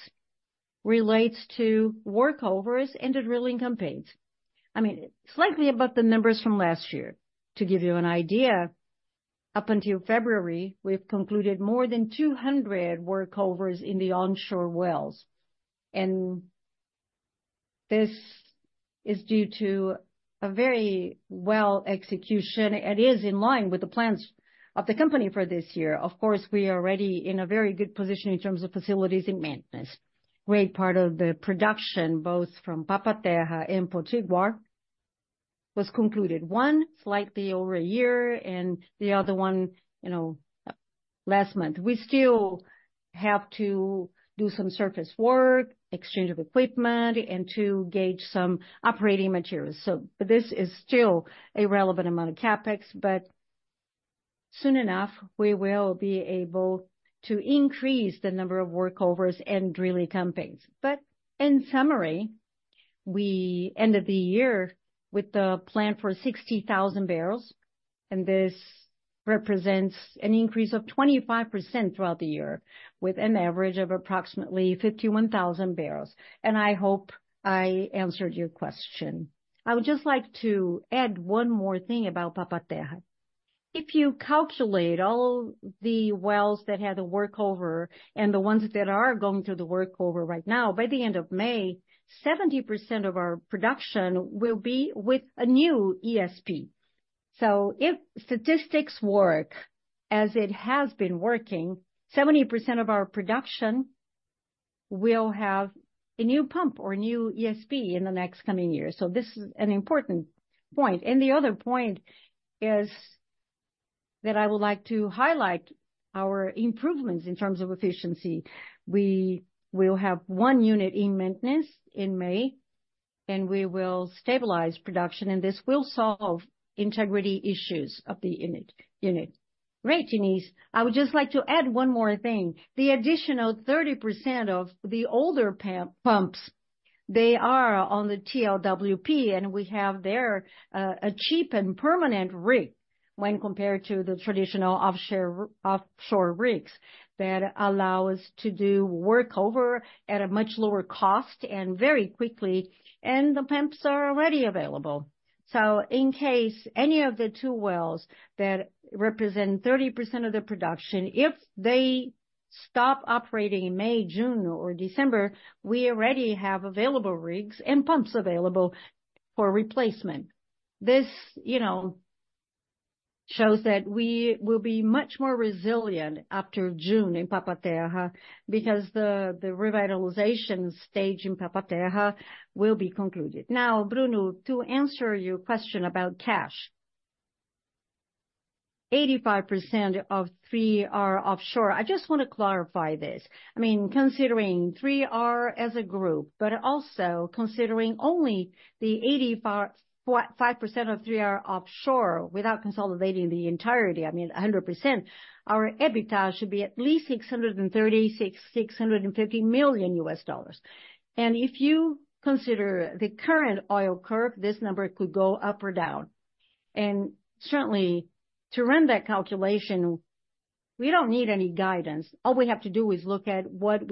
relates to workovers and the drilling campaigns. I mean, slightly above the numbers from last year. To give you an idea, up until February, we've concluded more than 200 workovers in the onshore wells. And this is due to a very well execution. It is in line with the plans of the company for this year. Of course, we are already in a very good position in terms of facilities and maintenance. Great part of the production, both Papa-Terra and Potiguar, was concluded. One slightly over a year and the other one last month. We still have to do some surface work, exchange of equipment, and to gauge some operating materials. But this is still a relevant amount of CapEx, but soon enough, we will be able to increase the number of workovers and drilling campaigns. But in summary, we ended the year with the plan for 60,000 barrels, and this represents an increase of 25% throughout the year with an average of approximately 51,000 barrels. And I hope I answered your question. I would just like to add one more thing Papa-Terra. if you calculate all the wells that had a workover and the ones that are going through the workover right now, by the end of May, 70% of our production will be with a new ESP. So if statistics work as it has been working, 70% of our production will have a new pump or a new ESP in the next coming year. So this is an important point. The other point is that I would like to highlight our improvements in terms of efficiency. We will have one unit in maintenance in May, and we will stabilize production, and this will solve integrity issues of the unit. Great, Diniz. I would just like to add one more thing. The additional 30% of the older pumps, they are on the TLWP, and we have there a cheap and permanent rig when compared to the traditional offshore rigs that allow us to do workover at a much lower cost and very quickly, and the pumps are already available. So in case any of the two wells that represent 30% of the production, if they stop operating in May, June, or December, we already have available rigs and pumps available for replacement. This shows that we will be much more resilient after June Papa-Terra because the revitalization stage Papa-Terra will be concluded. Now, Bruno, to answer your question about cash. 85% of 3R Offshore. I just want to clarify this. I mean, considering 3R as a group, but also considering only the 85% of 3R Offshore without consolidating the entirety, I mean, 100%, our EBITDA should be at least $630 million-$650 million. And if you consider the current oil curve, this number could go up or down. And certainly, to run that calculation, we don't need any guidance. All we have to do is look at what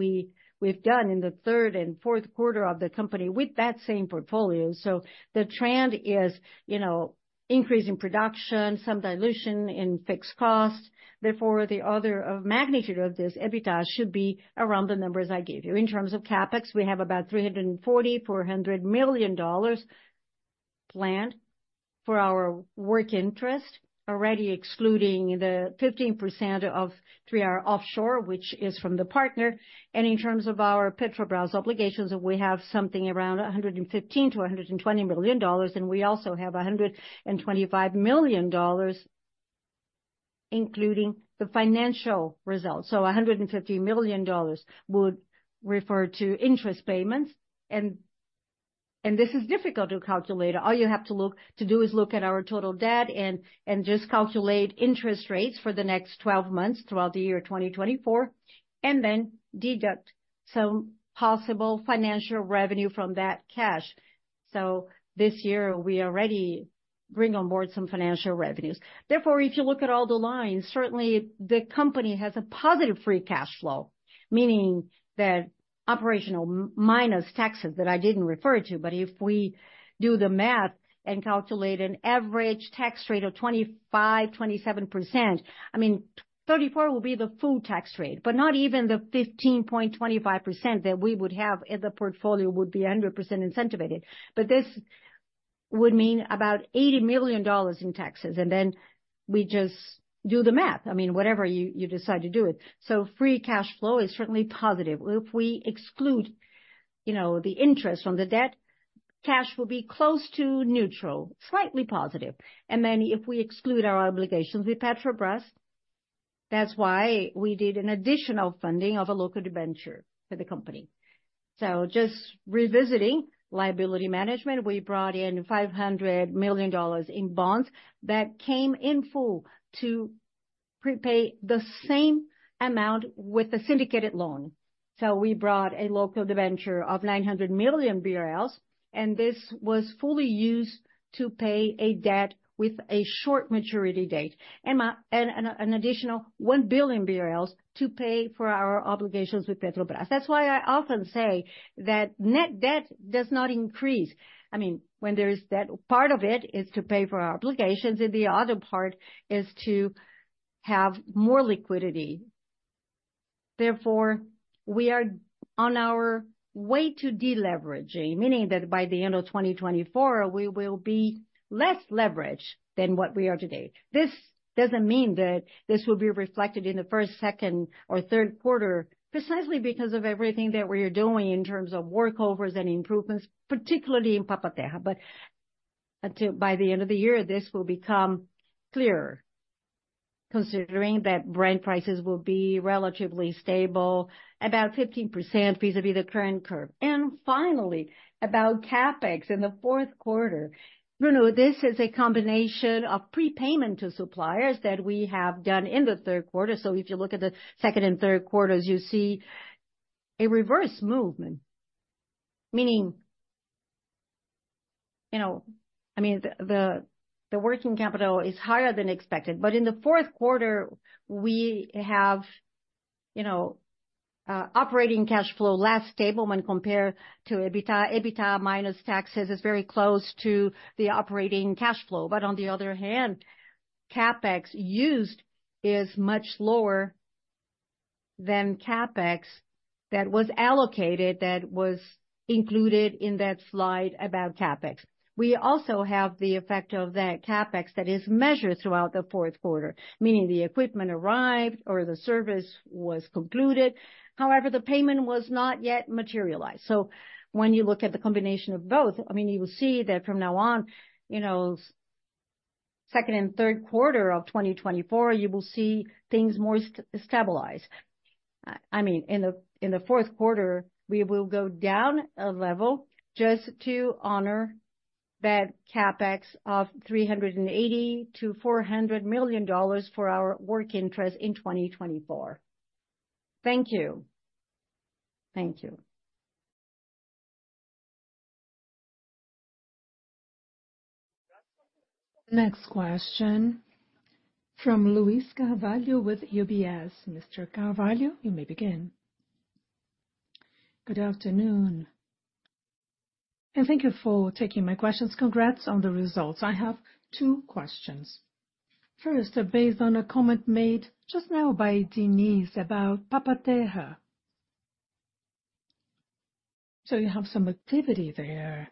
we've done in the third and fourth quarter of the company with that same portfolio. So the trend is increasing production, some dilution in fixed cost. Therefore, the other magnitude of this EBITDA should be around the numbers I gave you. In terms of CapEx, we have about $340 million-$400 million planned for our working interest, already excluding the 15% of 3R Offshore, which is from the partner. In terms of our Petrobras obligations, we have something around $115-$120 million, and we also have $125 million including the financial results. $150 million would refer to interest payments. And this is difficult to calculate. All you have to do is look at our total debt and just calculate interest rates for the next 12 months throughout the year 2024 and then deduct some possible financial revenue from that cash. This year, we already bring on board some financial revenues. Therefore, if you look at all the lines, certainly, the company has a positive free cash flow, meaning that operational minus taxes that I didn't refer to. But if we do the math and calculate an average tax rate of 25%-27%, I mean, 34% will be the full tax rate, but not even the 15.25% that we would have in the portfolio would be 100% incentivized. But this would mean about $80 million in taxes, and then we just do the math. I mean, whatever you decide to do it. So free cash flow is certainly positive. If we exclude the interest from the debt, cash will be close to neutral, slightly positive. And then if we exclude our obligations with Petrobras, that's why we did an additional funding of a local debenture for the company. So just revisiting liability management, we brought in $500 million in bonds that came in full to prepay the same amount with the syndicated loan. So we brought a local debenture of 900 million BRL, and this was fully used to pay a debt with a short maturity date and an additional $1 billion BRL to pay for our obligations with Petrobras. That's why I often say that net debt does not increase. I mean, when there is debt, part of it is to pay for our obligations, and the other part is to have more liquidity. Therefore, we are on our way to deleveraging, meaning that by the end of 2024, we will be less leveraged than what we are today. This doesn't mean that this will be reflected in the first, second, or third quarter precisely because of everything that we are doing in terms of workovers and improvements, particularly Papa-Terra. but by the end of the year, this will become clearer considering that Brent prices will be relatively stable, about 15% vis-à-vis the current curve. And finally, about CapEx in the fourth quarter. Bruno, this is a combination of prepayment to suppliers that we have done in the third quarter. So if you look at the second and third quarters, you see a reverse movement, meaning I mean, the working capital is higher than expected. But in the fourth quarter, we have operating cash flow less stable when compared to EBITDA minus taxes. It's very close to the operating cash flow. But on the other hand, CapEx used is much lower than CapEx that was allocated that was included in that slide about CapEx. We also have the effect of that CapEx that is measured throughout the fourth quarter, meaning the equipment arrived or the service was concluded. However, the payment was not yet materialized. So when you look at the combination of both, I mean, you will see that from now on, second and third quarter of 2024, you will see things more stabilized. I mean, in the fourth quarter, we will go down a level just to honor that CapEx of $380 million-$400 million for our working interest in 2024. Thank you. Thank you. Next question from Luiz Carvalho with UBS. Mr. Carvalho, you may begin. Good afternoon. And thank you for taking my questions. Congrats on the results. I have two questions. First, based on a comment made just now by Diniz about Papa-Terra. So you have some activity there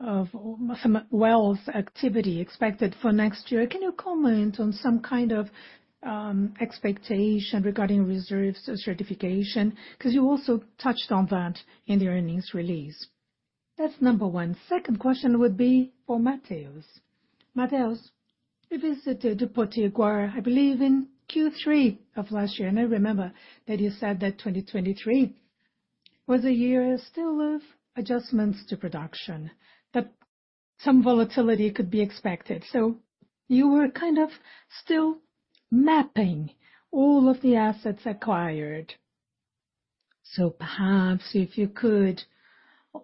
of wells activity expected for next year. Can you comment on some kind of expectation regarding reserves certification? Because you also touched on that in the earnings release. That's number one. Second question would be for Matheus. Matheus, you visited Potiguar, I believe, in Q3 of last year. And I remember that you said that 2023 was a year still of adjustments to production, that some volatility could be expected. So you were kind of still mapping all of the assets acquired. So perhaps if you could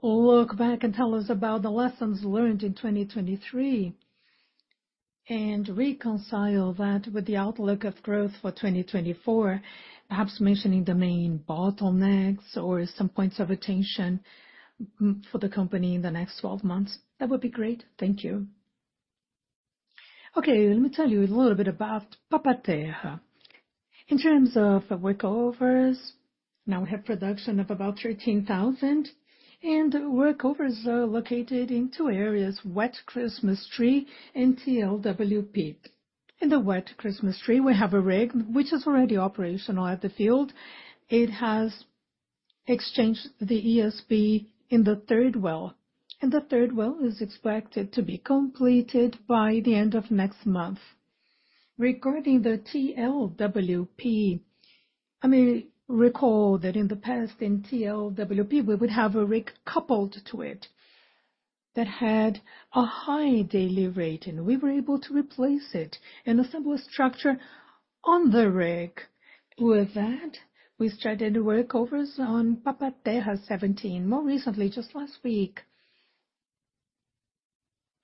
look back and tell us about the lessons learned in 2023 and reconcile that with the outlook of growth for 2024, perhaps mentioning the main bottlenecks or some points of attention for the company in the next 12 months, that would be great. Thank you. Okay, let me tell you a little bit Papa-Terra. in terms of workovers, now we have production of about 13,000, and workovers are located in two areas, Wet Christmas Tree and TLWP. In the Wet Christmas Tree, we have a rig which is already operational at the field. It has exchanged the ESP in the third well. And the third well is expected to be completed by the end of next month. Regarding the TLWP, I mean, recall that in the past, in TLWP, we would have a rig coupled to it that had a high daily rate, and we were able to replace it and assemble a structure on the rig. With that, we started workovers Papa-Terra 17, more recently, just last week.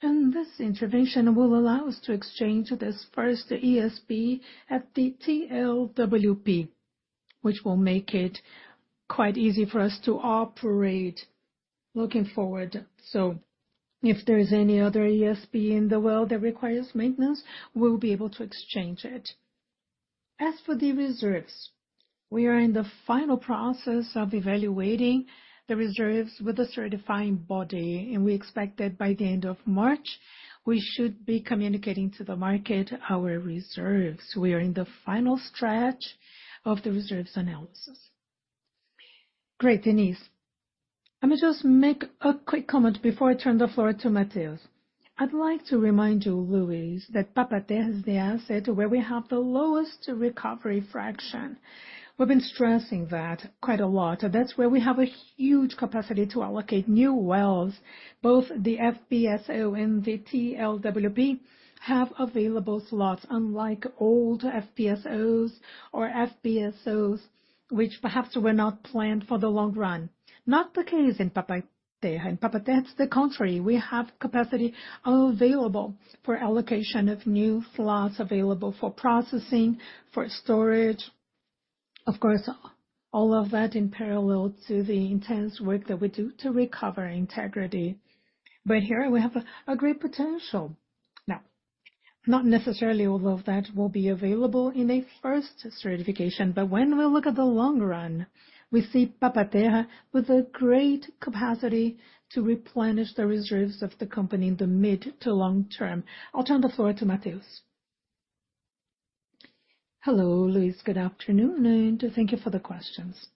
This intervention will allow us to exchange this first ESP at the TLWP, which will make it quite easy for us to operate looking forward. So if there is any other ESP in the well that requires maintenance, we'll be able to exchange it. As for the reserves, we are in the final process of evaluating the reserves with a certifying body, and we expect that by the end of March, we should be communicating to the market our reserves. We are in the final stretch of the reserves analysis. Great, Diniz. Let me just make a quick comment before I turn the floor to Matheus. I'd like to remind you, Luiz, Papa-Terra is the asset where we have the lowest recovery factor. We've been stressing that quite a lot. That's where we have a huge capacity to allocate new wells. Both the FPSO and the TLWP have available slots, unlike old FPSOs or FPSOs which perhaps were not planned for the long run. Not the case in Papa-Terra. In Papa-Terra, it's the contrary. We have capacity available for allocation of new slots available for processing, for storage. Of course, all of that in parallel to the intense work that we do to recover integrity. But here, we have a great potential. Now, not necessarily all of that will be available in a first certification, but when we look at the long run, we see Papa-Terra with a great capacity to replenish the reserves of the company in the mid to long term. I'll turn the floor to Matheus. Hello, Luiz. Good afternoon. And thank you for the questions.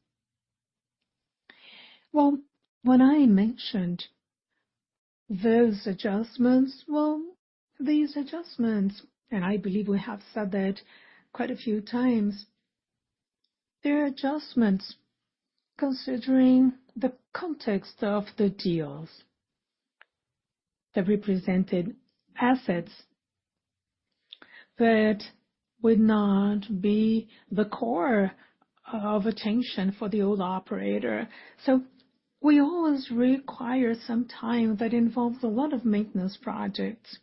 Well, when I mentioned those adjustments, well, these adjustments, and I believe we have said that quite a few times, they're adjustments considering the context of the deals, the represented assets that would not be the core of attention for the old operator. So we always require some time that involves a lot of maintenance projects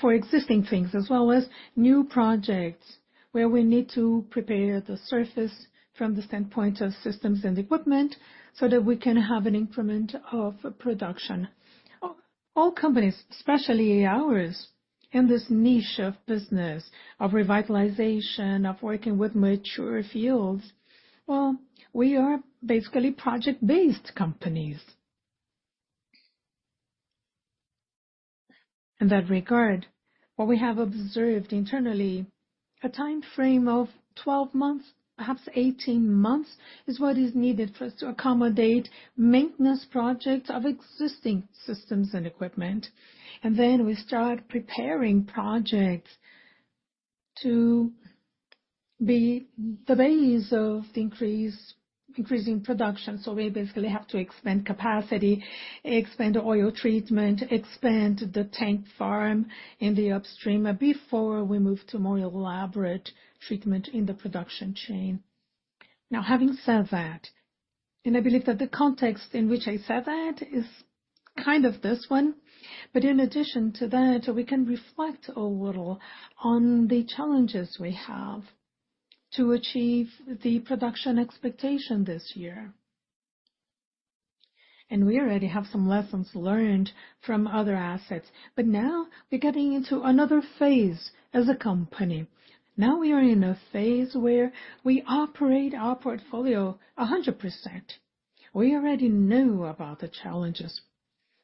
for existing things as well as new projects where we need to prepare the surface from the standpoint of systems and equipment so that we can have an increment of production. All companies, especially ours, in this niche of business of revitalization, of working with mature fields, well, we are basically project-based companies. In that regard, what we have observed internally, a timeframe of 12 months, perhaps 18 months, is what is needed for us to accommodate maintenance projects of existing systems and equipment. Then we start preparing projects to be the base of increasing production. So we basically have to expand capacity, expand oil treatment, expand the tank farm in the upstream before we move to more elaborate treatment in the production chain. Now, having said that, and I believe that the context in which I said that is kind of this one, but in addition to that, we can reflect a little on the challenges we have to achieve the production expectation this year. We already have some lessons learned from other assets. But now, we're getting into another phase as a company. Now, we are in a phase where we operate our portfolio 100%. We already know about the challenges.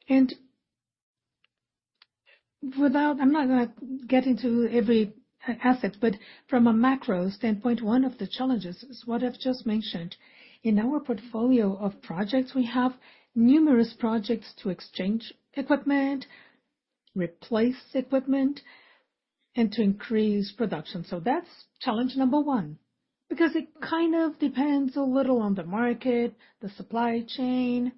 I'm not going to get into every asset, but from a macro standpoint, one of the challenges is what I've just mentioned. In our portfolio of projects, we have numerous projects to exchange equipment, replace equipment, and to increase production. So that's challenge number one because it kind of depends a little on the market, the supply chain,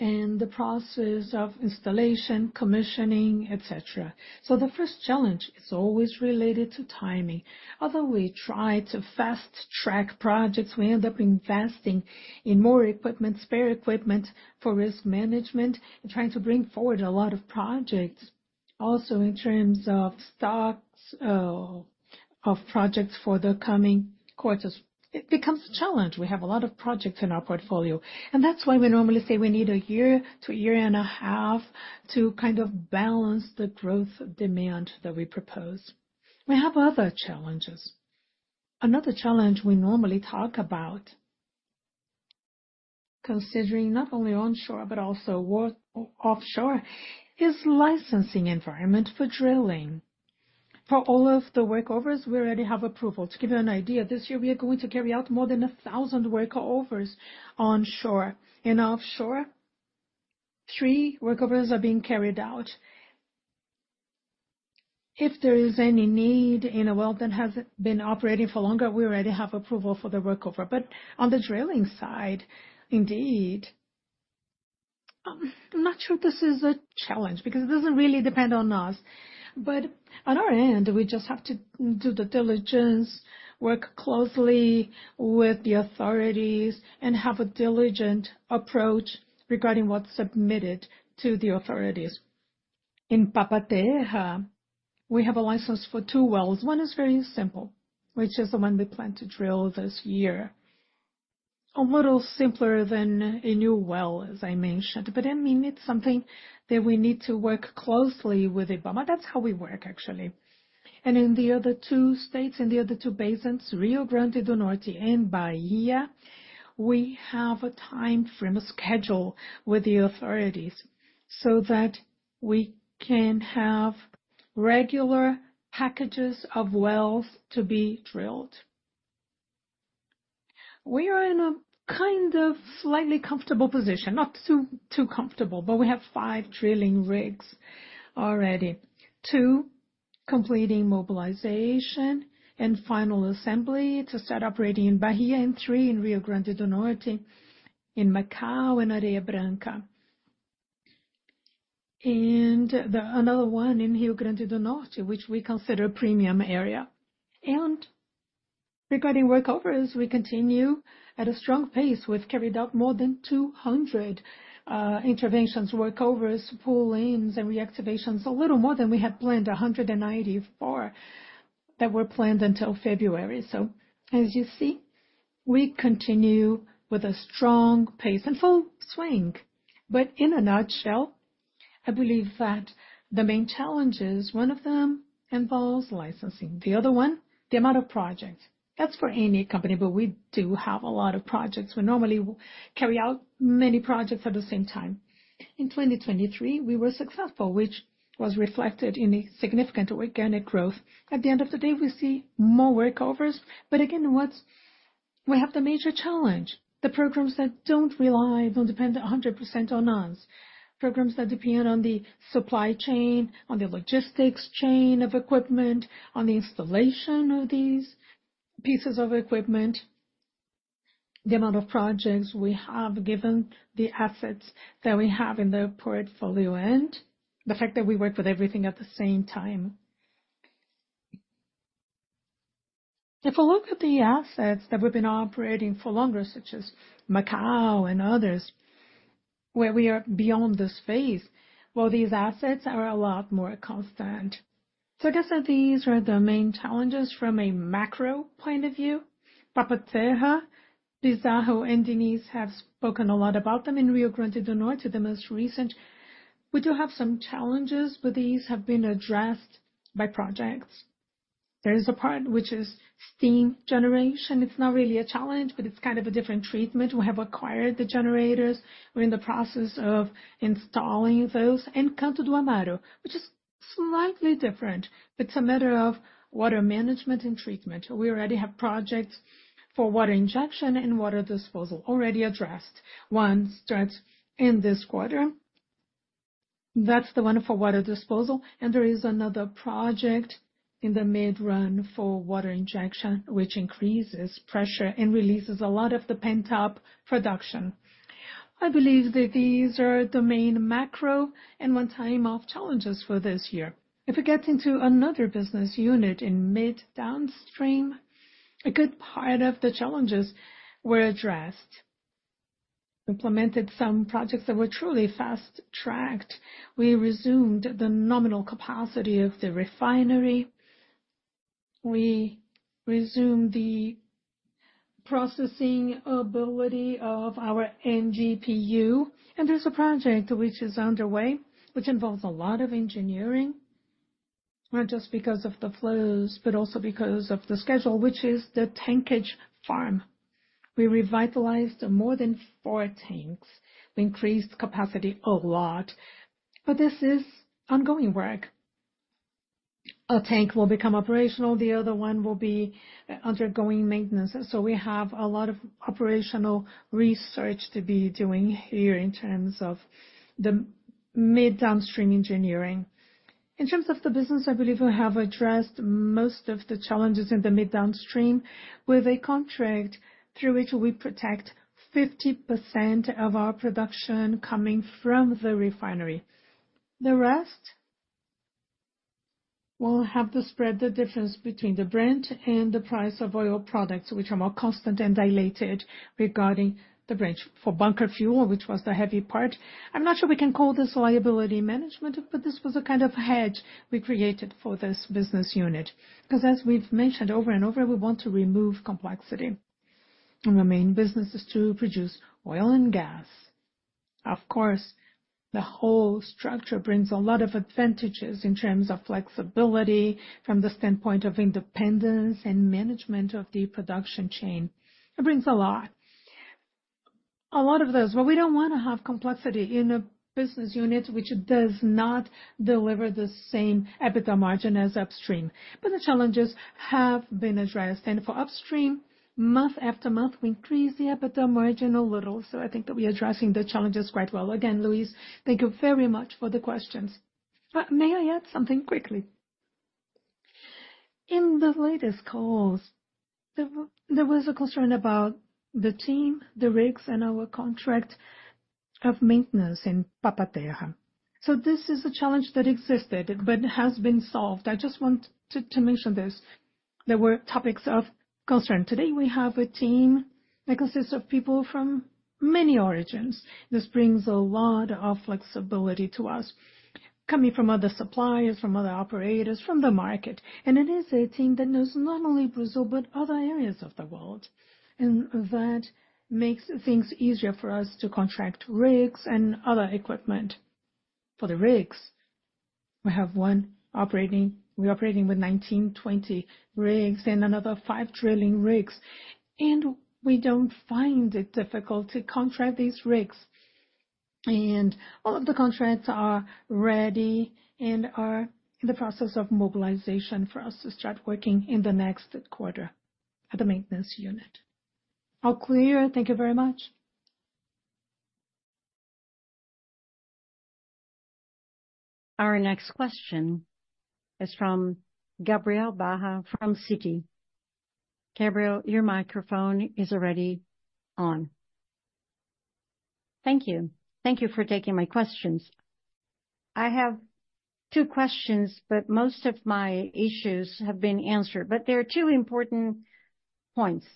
and the process of installation, commissioning, etc. So the first challenge is always related to timing. Although we try to fast-track projects, we end up investing in more equipment, spare equipment for risk management, and trying to bring forward a lot of projects. Also, in terms of stocks of projects for the coming quarters, it becomes a challenge. We have a lot of projects in our portfolio. And that's why we normally say we need a year to a year and a half to kind of balance the growth demand that we propose. We have other challenges. Another challenge we normally talk about, considering not only onshore but also offshore, is licensing environment for drilling. For all of the workovers, we already have approval. To give you an idea, this year, we are going to carry out more than 1,000 workovers onshore. In offshore, three workovers are being carried out. If there is any need in a well that hasn't been operating for longer, we already have approval for the workover. But on the drilling side, indeed, I'm not sure this is a challenge because it doesn't really depend on us. But on our end, we just have to do the diligence, work closely with the authorities, and have a diligent approach regarding what's submitted to the authorities. Papa-Terra, we have a license for two wells. One is very simple, which is the one we plan to drill this year. A little simpler than a new well, as I mentioned. But I mean, it's something that we need to work closely with IBAMA. That's how we work, actually. And in the other two states, in the other two basins, Rio Grande do Norte and Bahia, we have a timeframe, a schedule with the authorities so that we can have regular packages of wells to be drilled. We are in a kind of slightly comfortable position, not too comfortable, but we have five drilling rigs already. Two completing mobilization and final assembly to start operating in Bahia and three in Rio Grande do Norte, in Macau and Areia Branca. And another one in Rio Grande do Norte, which we consider a premium area. Regarding workovers, we continue at a strong pace with carried out more than 200 interventions, workovers, pullings, and reactivations, a little more than we had planned, 194 that were planned until February. As you see, we continue with a strong pace and full swing. In a nutshell, I believe that the main challenges, one of them involves licensing. The other one, the amount of projects. That's for any company, but we do have a lot of projects. We normally carry out many projects at the same time. In 2023, we were successful, which was reflected in significant organic growth. At the end of the day, we see more workovers. But again, we have the major challenge, the programs that don't rely on depend 100% on us, programs that depend on the supply chain, on the logistics chain of equipment, on the installation of these pieces of equipment, the amount of projects we have given the assets that we have in the portfolio and the fact that we work with everything at the same time. If we look at the assets that we've been operating for longer, such as Macau and others, where we are beyond this phase, well, these assets are a lot more constant. So I guess these are the main challenges from a macro point of Papa-Terra, Pizarro, and Diniz have spoken a lot about them in Rio Grande do Norte, the most recent. We do have some challenges, but these have been addressed by projects. There is a part which is steam generation. It's not really a challenge, but it's kind of a different treatment. We have acquired the generators. We're in the process of installing those. Canto do Amaro, which is slightly different. It's a matter of water management and treatment. We already have projects for water injection and water disposal already addressed. One starts in this quarter. That's the one for water disposal. There is another project in the mid-run for water injection, which increases pressure and releases a lot of the pent-up production. I believe that these are the main macro and one-time-off challenges for this year. If it gets into another business unit in mid-downstream, a good part of the challenges were addressed. Implemented some projects that were truly fast-tracked. We resumed the nominal capacity of the refinery. We resumed the processing ability of our NGPU. There's a project which is underway, which involves a lot of engineering, not just because of the flows, but also because of the schedule, which is the tankage farm. We revitalized more than four tanks. We increased capacity a lot. But this is ongoing work. A tank will become operational. The other one will be undergoing maintenance. So we have a lot of operational research to be doing here in terms of the mid-downstream engineering. In terms of the business, I believe we have addressed most of the challenges in the mid-downstream with a contract through which we protect 50% of our production coming from the refinery. The rest will have to spread the difference between the Brent and the price of oil products, which are more constant and related regarding the Brent for bunker fuel, which was the heavy part. I'm not sure we can call this liability management, but this was a kind of hedge we created for this business unit because, as we've mentioned over and over, we want to remove complexity. The main business is to produce oil and gas. Of course, the whole structure brings a lot of advantages in terms of flexibility from the standpoint of independence and management of the production chain. It brings a lot. A lot of those, well, we don't want to have complexity in a business unit which does not deliver the same EBITDA margin as upstream. The challenges have been addressed. For upstream, month after month, we increase the EBITDA margin a little. I think that we're addressing the challenges quite well. Again, Luiz, thank you very much for the questions. May I add something quickly? In the latest calls, there was a concern about the team, the rigs, and our contract of maintenance Papa-Terra. so this is a challenge that existed but has been solved. I just want to mention this. There were topics of concern. Today, we have a team that consists of people from many origins. This brings a lot of flexibility to us coming from other suppliers, from other operators, from the market. And it is a team that knows not only Brazil but other areas of the world. And that makes things easier for us to contract rigs and other equipment. For the rigs, we have one operating. We're operating with 19, 20 rigs and another five drilling rigs. And we don't find it difficult to contract these rigs. All of the contracts are ready and are in the process of mobilization for us to start working in the next quarter at the maintenance unit. All clear. Thank you very much. Our next question is from Gabriel Barra from Citi. Gabriel, your microphone is already on. Thank you. Thank you for taking my questions. I have two questions, but most of my issues have been answered. There are two important points.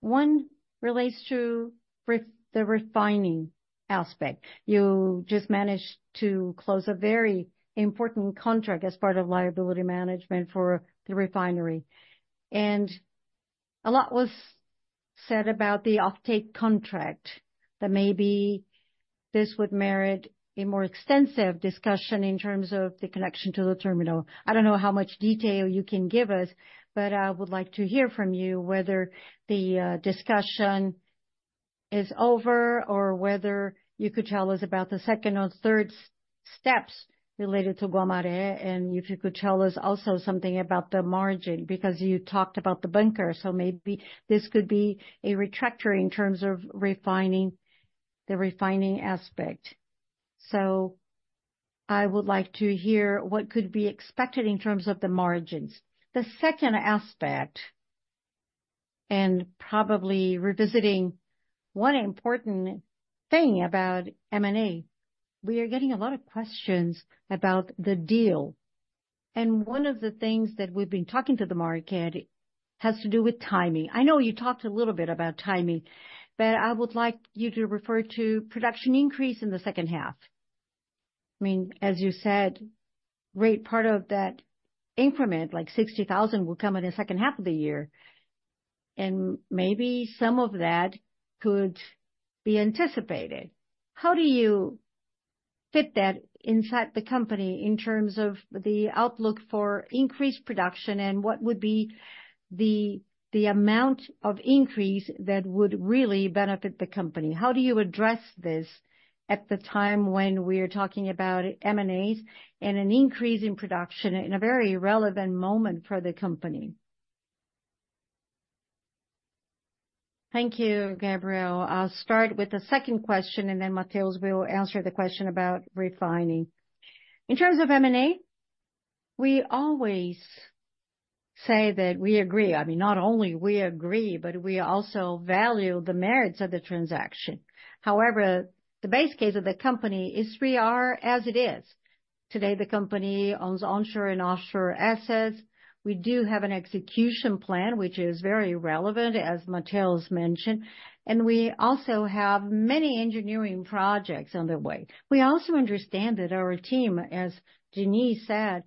One relates to the refining aspect. You just managed to close a very important contract as part of liability management for the refinery. A lot was said about the offtake contract. That maybe this would merit a more extensive discussion in terms of the connection to the terminal. I don't know how much detail you can give us, but I would like to hear from you whether the discussion is over or whether you could tell us about the second or third steps related to Guamaré and if you could tell us also something about the margin because you talked about the bunker. So maybe this could be a reactor in terms of the refining aspect. So I would like to hear what could be expected in terms of the margins. The second aspect and probably revisiting one important thing about M&A, we are getting a lot of questions about the deal. One of the things that we've been talking to the market has to do with timing. I know you talked a little bit about timing, but I would like you to refer to production increase in the second half. I mean, as you said, great part of that increment, like 60,000, will come in the second half of the year. Maybe some of that could be anticipated. How do you fit that inside the company in terms of the outlook for increased production and what would be the amount of increase that would really benefit the company? How do you address this at the time when we are talking about M&As and an increase in production in a very relevant moment for the company? Thank you, Gabriel. I'll start with the second question, and then Matheus will answer the question about refining. In terms of M&A, we always say that we agree. I mean, not only we agree, but we also value the merits of the transaction. However, the base case of the company is we are as it is. Today, the company owns onshore and offshore assets. We do have an execution plan, which is very relevant, as Matheus mentioned. We also have many engineering projects underway. We also understand that our team, as Diniz said,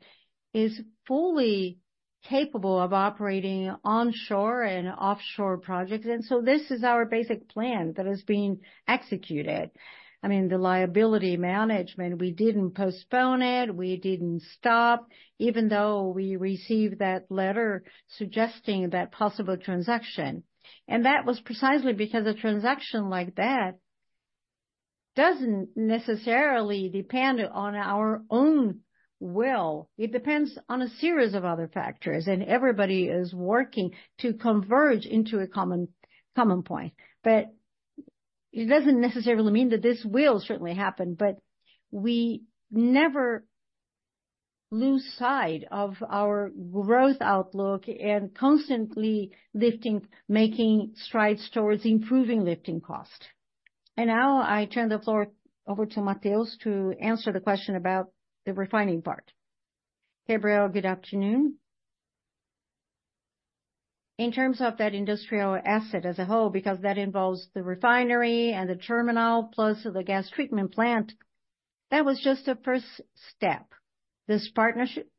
is fully capable of operating onshore and offshore projects. So this is our basic plan that has been executed. I mean, the liability management, we didn't postpone it. We didn't stop, even though we received that letter suggesting that possible transaction. That was precisely because a transaction like that doesn't necessarily depend on our own will. It depends on a series of other factors. Everybody is working to converge into a common point. But it doesn't necessarily mean that this will certainly happen. We never lose sight of our growth outlook and constantly making strides towards improving lifting cost. Now I turn the floor over to Matheus to answer the question about the refining part. Gabriel, good afternoon. In terms of that industrial asset as a whole, because that involves the refinery and the terminal plus the gas treatment plant, that was just a first step. This partnership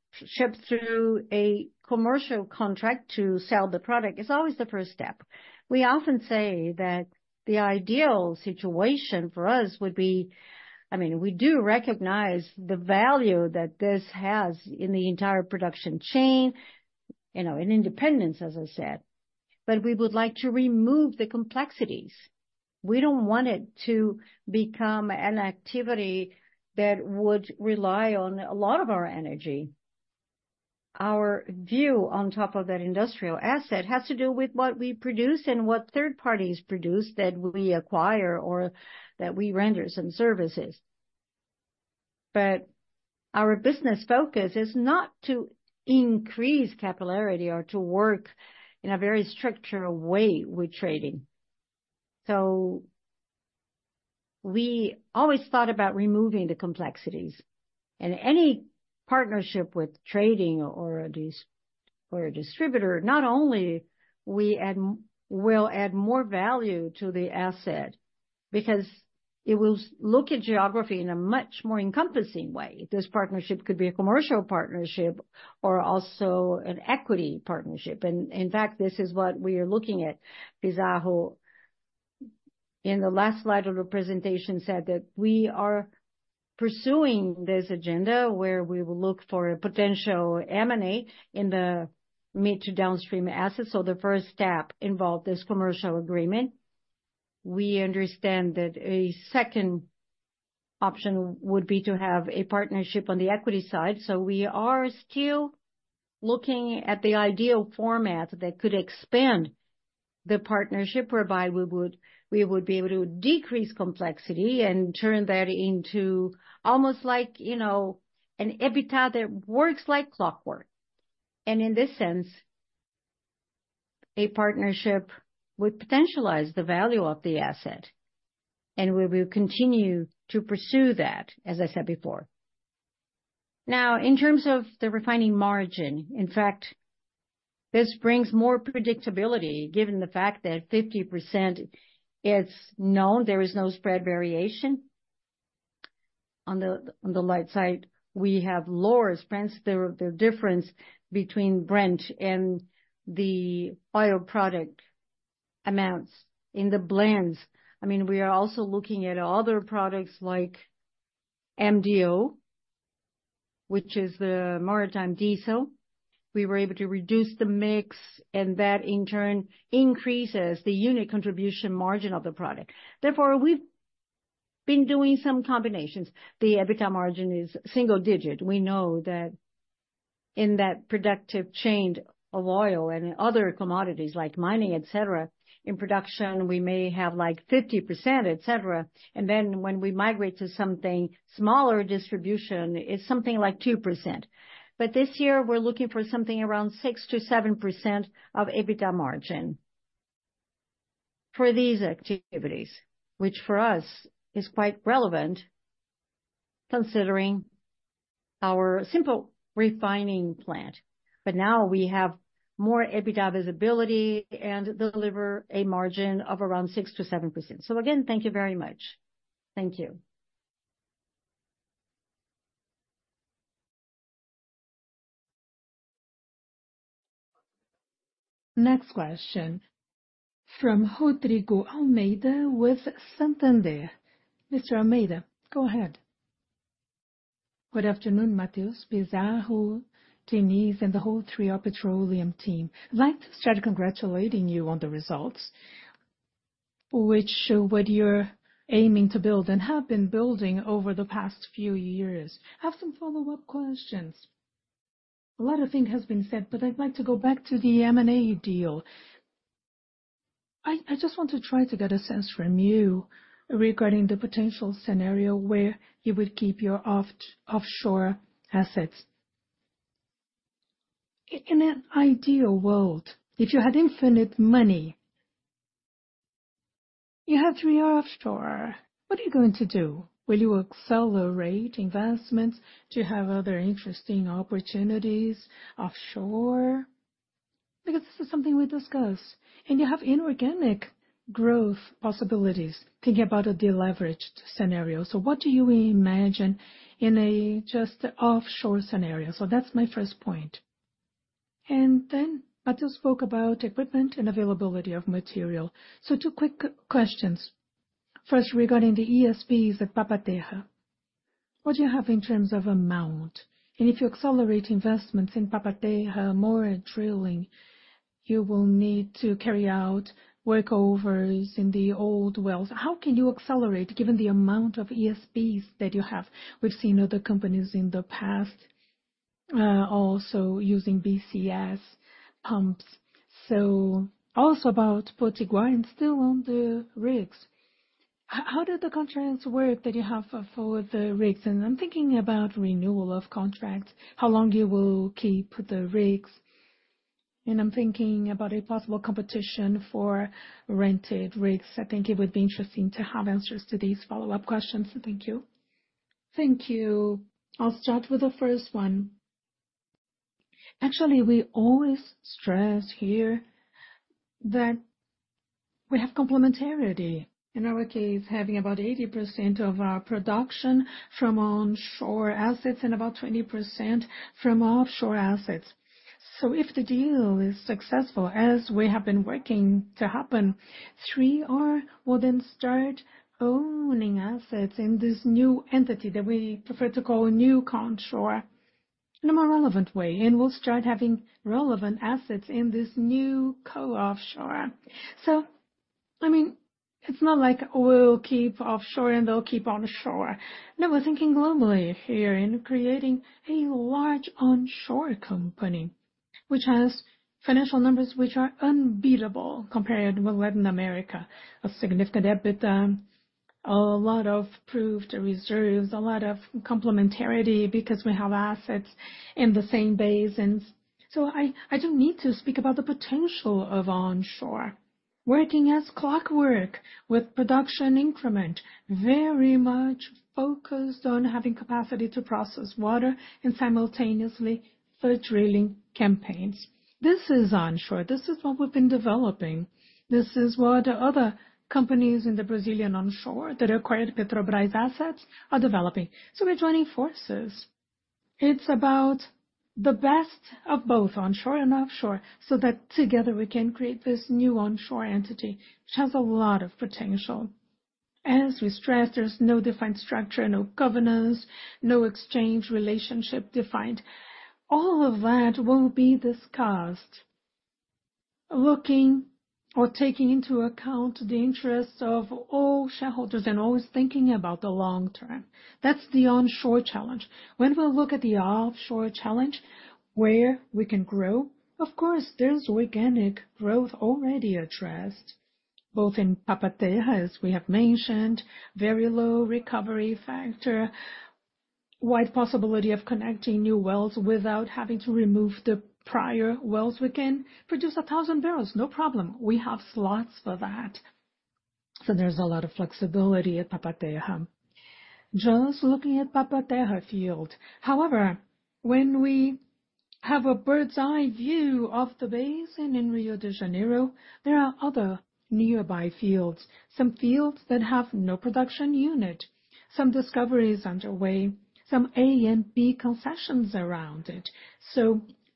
through a commercial contract to sell the product is always the first step. We often say that the ideal situation for us would be I mean, we do recognize the value that this has in the entire production chain, in independence, as I said. But we would like to remove the complexities. We don't want it to become an activity that would rely on a lot of our energy. Our view on top of that industrial asset has to do with what we produce and what third parties produce that we acquire or that we render some services. But our business focus is not to increase capillarity or to work in a very structured way with trading. So we always thought about removing the complexities. Any partnership with trading or a distributor, not only will add more value to the asset because it will look at geography in a much more encompassing way. This partnership could be a commercial partnership or also an equity partnership. In fact, this is what we are looking at. Pizarro, in the last slide of the presentation, said that we are pursuing this agenda where we will look for a potential M&A in the mid to downstream assets. The first step involved this commercial agreement. We understand that a second option would be to have a partnership on the equity side. We are still looking at the ideal format that could expand the partnership whereby we would be able to decrease complexity and turn that into almost like an EBITDA that works like clockwork. In this sense, a partnership would potentialize the value of the asset. And we will continue to pursue that, as I said before. Now, in terms of the refining margin, in fact, this brings more predictability given the fact that 50% is known. There is no spread variation. On the light side, we have lower, for instance, the difference between Brent and the oil product amounts in the blends. I mean, we are also looking at other products like MDO, which is the maritime diesel. We were able to reduce the mix, and that, in turn, increases the unit contribution margin of the product. Therefore, we've been doing some combinations. The EBITDA margin is single digit. We know that in that productive chain of oil and other commodities like mining, etc., in production, we may have like 50%, etc. Then when we migrate to something smaller distribution, it's something like 2%. This year, we're looking for something around 6%-7% of EBITDA margin for these activities, which for us is quite relevant considering our simple refining plant. Now we have more EBITDA visibility and deliver a margin of around 6%-7%. Again, thank you very much. Thank you. Next question from Rodrigo Almeida with Santander. Mr. Almeida, go ahead. Good afternoon, Matheus. Pizarro, Diniz, and the whole 3R Petroleum team would like to start congratulating you on the results which what you're aiming to build and have been building over the past few years. I have some follow-up questions. A lot of things have been said, but I'd like to go back to the M&A deal. I just want to try to get a sense from you regarding the potential scenario where you would keep your offshore assets. In an ideal world, if you had infinite money, you have 3R Offshore. What are you going to do? Will you accelerate investments? Do you have other interesting opportunities offshore? Because this is something we discussed. And you have inorganic growth possibilities. Thinking about a deleveraged scenario. So what do you imagine in a just offshore scenario? So that's my first point. And then Matheus spoke about equipment and availability of material. So two quick questions. First, regarding the ESPs Papa-Terra, what do you have in terms of amount? And if you accelerate investments Papa-Terra, more drilling, you will need to carry out workovers in the old wells. How can you accelerate given the amount of ESPs that you have? We've seen other companies in the past also using BCS pumps. So also about Potiguar and still on the rigs. How do the contracts work that you have for the rigs? And I'm thinking about renewal of contracts, how long you will keep the rigs. And I'm thinking about a possible competition for rented rigs. I think it would be interesting to have answers to these follow-up questions. Thank you. Thank you. I'll start with the first one. Actually, we always stress here that we have complementarity. In our case, having about 80% of our production from onshore assets and about 20% from offshore assets. So if the deal is successful, as we have been working to happen, 3R will then start owning assets in this new entity that we prefer to call NewCo Onshore in a more relevant way. We'll start having relevant assets in this NewCo Offshore. So I mean, it's not like we'll keep offshore and they'll keep onshore. No, we're thinking globally here in creating a large onshore company which has financial numbers which are unbeatable compared with Latin America, a significant EBITDA, a lot of proved reserves, a lot of complementarity because we have assets in the same basins. So I don't need to speak about the potential of onshore. Working like clockwork with production increment, very much focused on having capacity to process water and simultaneously for drilling campaigns. This is onshore. This is what we've been developing. This is what other companies in the Brazilian onshore that acquired Petrobras assets are developing. So we're joining forces. It's about the best of both onshore and offshore so that together we can create this new onshore entity which has a lot of potential. As we stress, there's no defined structure, no governance, no exchange relationship defined. All of that will be discussed looking or taking into account the interests of all shareholders and always thinking about the long term. That's the onshore challenge. When we look at the offshore challenge, where we can grow, of course, there's organic growth already addressed. Both in Papa-Terra, as we have mentioned, very low recovery factor, wide possibility of connecting new wells without having to remove the prior wells we can produce 1,000 barrels. No problem. We have slots for that. So there's a lot of flexibility at Papa-Terra. Just looking at Papa-Terra Field. However, when we have a bird's-eye view of the basin in Rio de Janeiro, there are other nearby fields, some fields that have no production unit, some discoveries underway, some A and B concessions around it.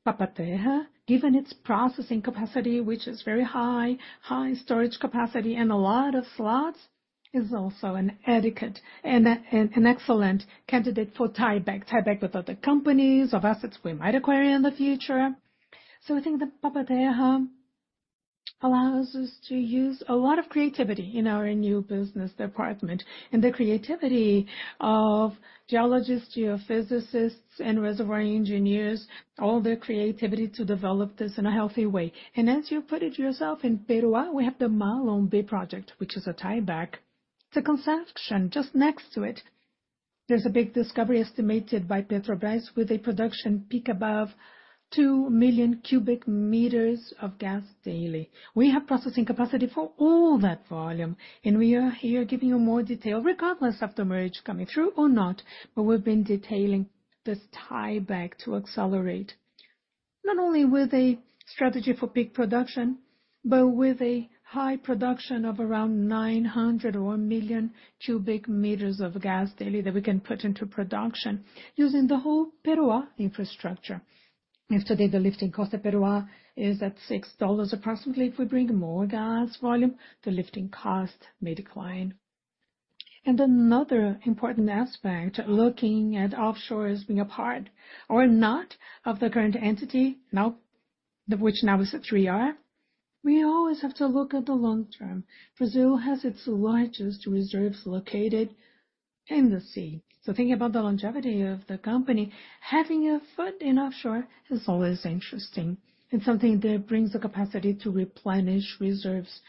Papa-Terra, given its processing capacity, which is very high, high storage capacity, and a lot of slots, is also an asset and an excellent candidate for tieback, tieback with other companies or assets we might acquire in the future. So I think Papa-Terra allows us to use a lot of creativity in our new business department and the creativity of geologists, geophysicists, and reservoir engineers, all their creativity to develop this in a healthy way. And as you put it yourself in Peroá, we have the Malombe project, which is a tieback. It's conceptual. Just next to it, there's a big discovery estimated by Petrobras with a production peak above 2 million cubic meters of gas daily. We have processing capacity for all that volume. We are here giving you more detail regardless of the merge coming through or not, but we've been detailing this tieback to accelerate not only with a strategy for peak production, but with a high production of around 900 or 1,000,000 cubic meters of gas daily that we can put into production using the whole Peroá infrastructure. If today the lifting cost of Peroá is at $6 approximately, if we bring more gas volume, the lifting cost may decline. Another important aspect, looking at offshore as being a part or not of the current entity, which now is a 3R, we always have to look at the long term. Brazil has its largest reserves located in the sea. So thinking about the longevity of the company, having a foot in offshore is always interesting. It's something that brings the capacity to replenish reserves.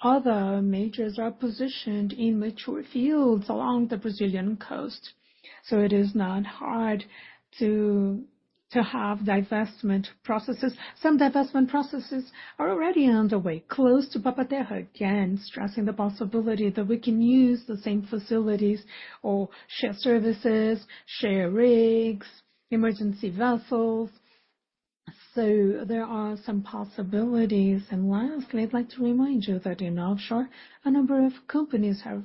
Other majors are positioned in mature fields along the Brazilian coast. So it is not hard to have divestment processes. Some divestment processes are already underway close Papa-Terra, again, stressing the possibility that we can use the same facilities or share services, share rigs, emergency vessels. So there are some possibilities. And lastly, I'd like to remind you that in offshore, a number of companies have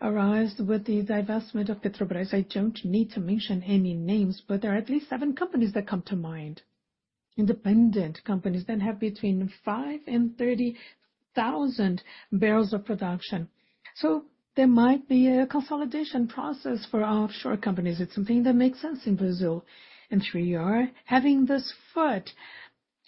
arrived with the divestment of Petrobras. I don't need to mention any names, but there are at least seven companies that come to mind, independent companies that have between 5 and 30,000 barrels of production. So there might be a consolidation process for offshore companies. It's something that makes sense in Brazil. And 3R, having this foot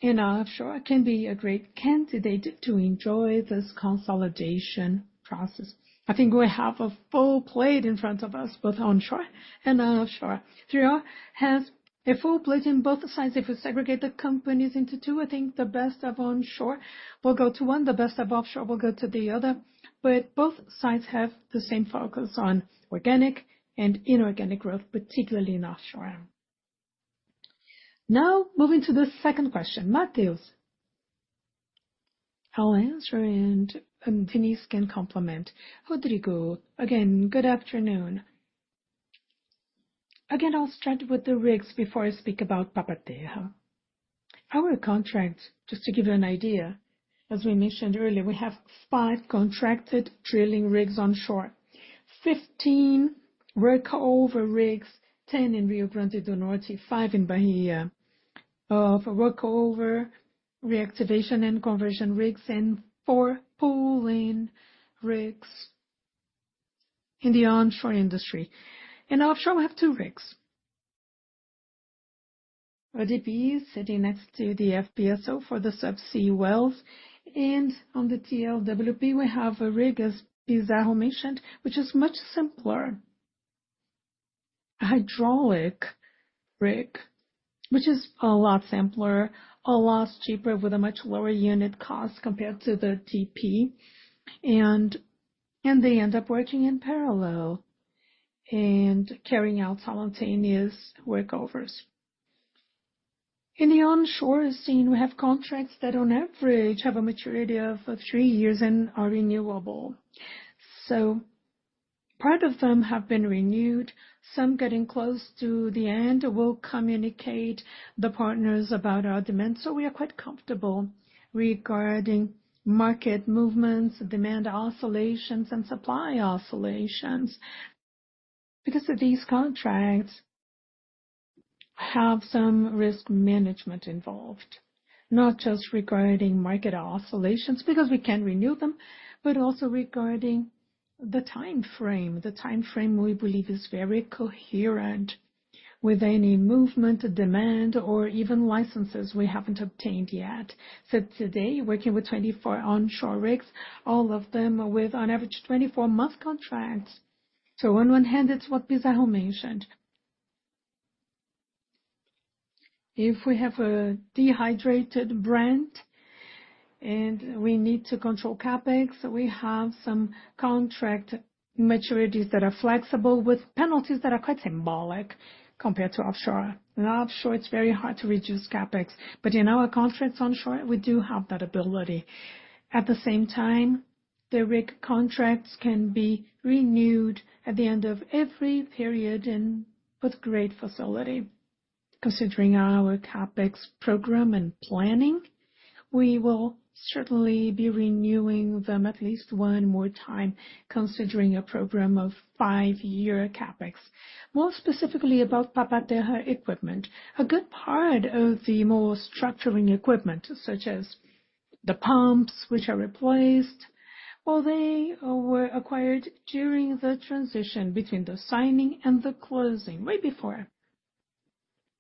in offshore, can be a great candidate to enjoy this consolidation process. I think we have a full plate in front of us, both onshore and offshore. 3R has a full plate on both sides. If we segregate the companies into two, I think the best of onshore will go to one. The best of offshore will go to the other. But both sides have the same focus on organic and inorganic growth, particularly in offshore. Now, moving to the second question, Matheus. I'll answer and Diniz can complement. Rodrigo, again, good afternoon. Again, I'll start with the rigs before I speak about Papa-Terra. Our contract, just to give you an idea, as we mentioned earlier, we have five contracted drilling rigs onshore, 15 workover rigs, 10 in Rio Grande do Norte, five in Bahia of workover reactivation and conversion rigs, and four pulling rigs in the onshore industry. In offshore, we have two rigs. A DP is sitting next to the FPSO for the subsea wells. On the TLWP, we have a rig, as Pizarro mentioned, which is much simpler, a hydraulic rig, which is a lot simpler, a lot cheaper with a much lower unit cost compared to the DP. They end up working in parallel and carrying out simultaneous workovers. In the onshore scene, we have contracts that on average have a maturity of three years and are renewable. So part of them have been renewed. Some getting close to the end will communicate the partners about our demand. We are quite comfortable regarding market movements, demand oscillations, and supply oscillations because these contracts have some risk management involved, not just regarding market oscillations because we can renew them, but also regarding the timeframe, the timeframe we believe is very coherent with any movement, demand, or even licenses we haven't obtained yet. Today, working with 24 onshore rigs, all of them with on average 24-month contracts. On one hand, it's what Pizarro mentioned. If we have a de-hedged Brent and we need to control CapEx, we have some contract maturities that are flexible with penalties that are quite symbolic compared to offshore. Offshore, it's very hard to reduce CapEx. But in our contracts onshore, we do have that ability. At the same time, the rig contracts can be renewed at the end of every period and with great facility. Considering our CapEx program and planning, we will certainly be renewing them at least one more time considering a program of five-year CapEx. More specifically Papa-Terra equipment, a good part of the more structuring equipment such as the pumps which are replaced, well, they were acquired during the transition between the signing and the closing way before.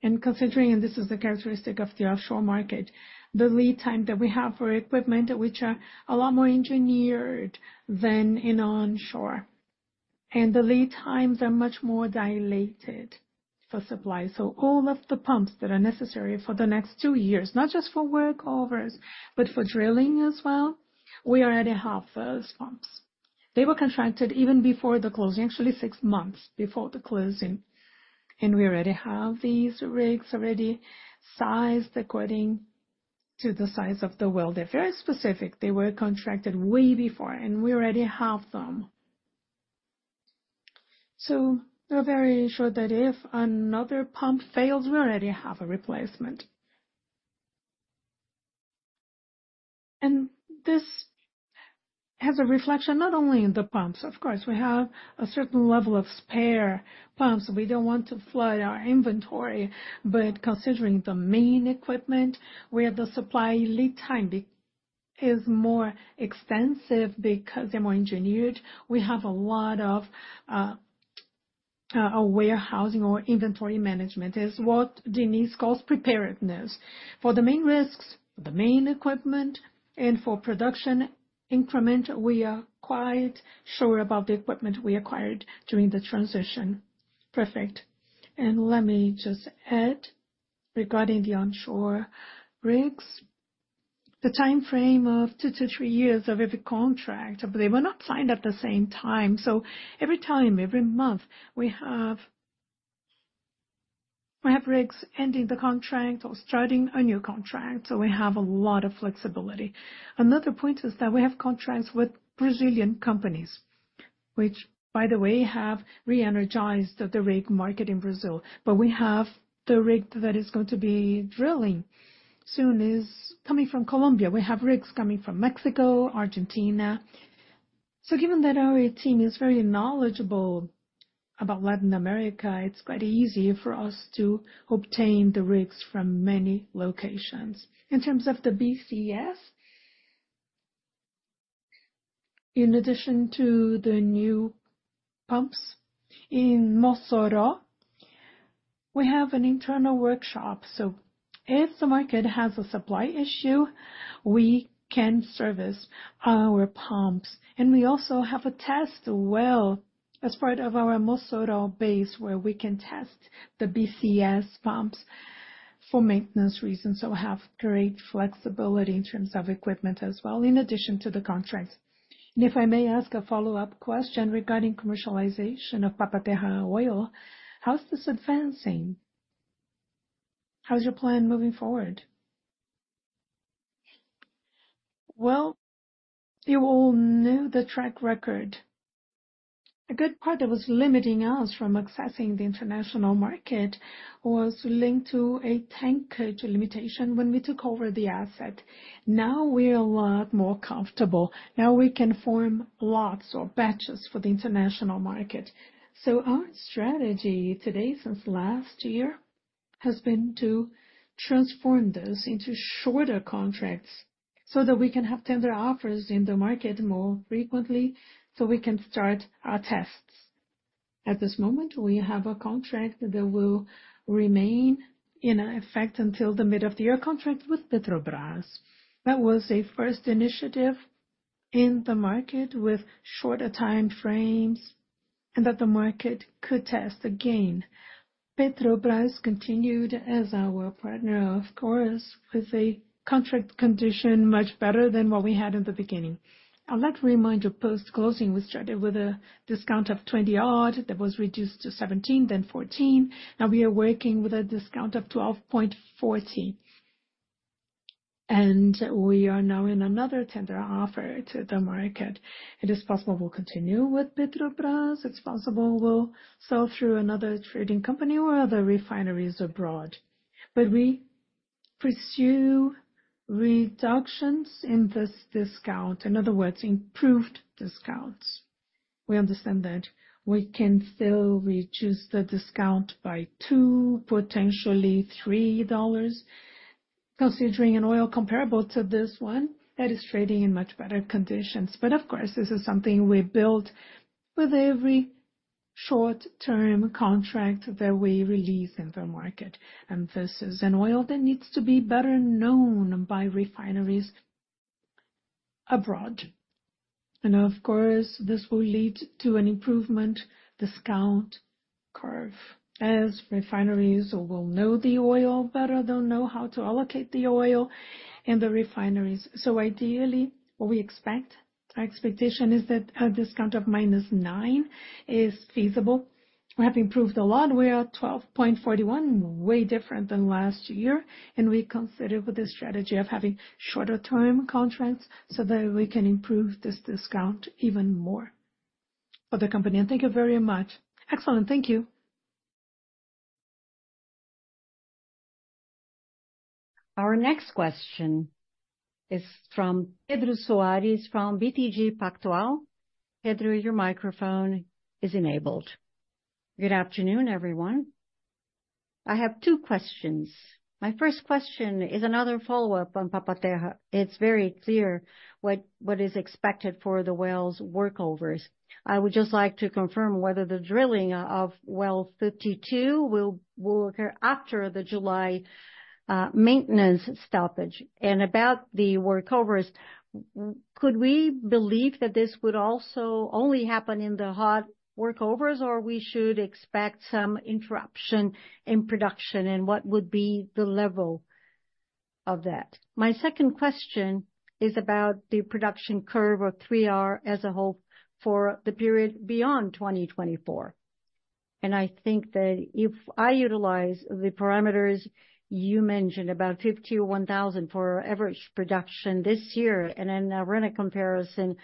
And considering, and this is the characteristic of the offshore market, the lead time that we have for equipment which are a lot more engineered than in onshore. And the lead times are much more dilated for supply. So all of the pumps that are necessary for the next two years, not just for workovers, but for drilling as well, we already have those pumps. They were contracted even before the closing, actually six months before the closing. We already have these rigs already sized according to the size of the well. They're very specific. They were contracted way before, and we already have them. So we're very sure that if another pump fails, we already have a replacement. And this has a reflection not only in the pumps. Of course, we have a certain level of spare pumps. We don't want to flood our inventory. But considering the main equipment, where the supply lead time is more extensive because they're more engineered, we have a lot of warehousing or inventory management, is what Diniz calls preparedness for the main risks, the main equipment, and for production increment, we are quite sure about the equipment we acquired during the transition. Perfect. Let me just add regarding the onshore rigs, the timeframe of two to three years of every contract, but they were not signed at the same time. So every time, every month, we have rigs ending the contract or starting a new contract. So we have a lot of flexibility. Another point is that we have contracts with Brazilian companies, which, by the way, have re-energized the rig market in Brazil. But we have the rig that is going to be drilling soon is coming from Colombia. We have rigs coming from Mexico, Argentina. So given that our team is very knowledgeable about Latin America, it's quite easy for us to obtain the rigs from many locations. In terms of the BCS, in addition to the new pumps in Mossoró, we have an internal workshop. So if the market has a supply issue, we can service our pumps. And we also have a test well as part of our Mossoró base where we can test the BCS pumps for maintenance reasons. So we have great flexibility in terms of equipment as well, in addition to the contracts. And if I may ask a follow-up question regarding commercialization Papa-Terra oil, how's this advancing? How's your plan moving forward? Well, you all knew the track record. A good part that was limiting us from accessing the international market was linked to a tankage limitation when we took over the asset. Now we're a lot more comfortable. Now we can form lots or batches for the international market. So our strategy today since last year has been to transform this into shorter contracts so that we can have tender offers in the market more frequently so we can start our tests. At this moment, we have a contract that will remain in effect until the mid of the year contract with Petrobras. That was a first initiative in the market with shorter timeframes and that the market could test again. Petrobras continued as our partner, of course, with a contract condition much better than what we had in the beginning. I'll let you remind you, post-closing, we started with a discount of $20 that was reduced to $17, then $14. Now we are working with a discount of $12.40. And we are now in another tender offer to the market. It is possible we'll continue with Petrobras. It's possible we'll sell through another trading company or other refineries abroad. But we pursue reductions in this discount, in other words, improved discounts. We understand that we can still reduce the discount by $2, potentially $3, considering an oil comparable to this one that is trading in much better conditions. But of course, this is something we build with every short-term contract that we release in the market. And this is an oil that needs to be better known by refineries abroad. And of course, this will lead to an improvement discount curve as refineries will know the oil better, they'll know how to allocate the oil in the refineries. So ideally, what we expect, our expectation is that a discount of -$9 is feasible. We have improved a lot. We are at $12.41, way different than last year. And we consider with this strategy of having shorter-term contracts so that we can improve this discount even more for the company. And thank you very much. Excellent. Thank you. Our next question is from Pedro Soares from BTG Pactual. Pedro, your microphone is enabled. Good afternoon, everyone. I have two questions. My first question is another follow-up on Papa-Terra. It's very clear what is expected for the wells' workovers. I would just like to confirm whether the drilling of well 52 will occur after the July maintenance stoppage. And about the workovers, could we believe that this would also only happen in the hot workovers, or we should expect some interruption in production, and what would be the level of that? My second question is about the production curve of 3R as a whole for the period beyond 2024. I think that if I utilize the parameters you mentioned, about 51,000 for average production this year and then a Brent comparison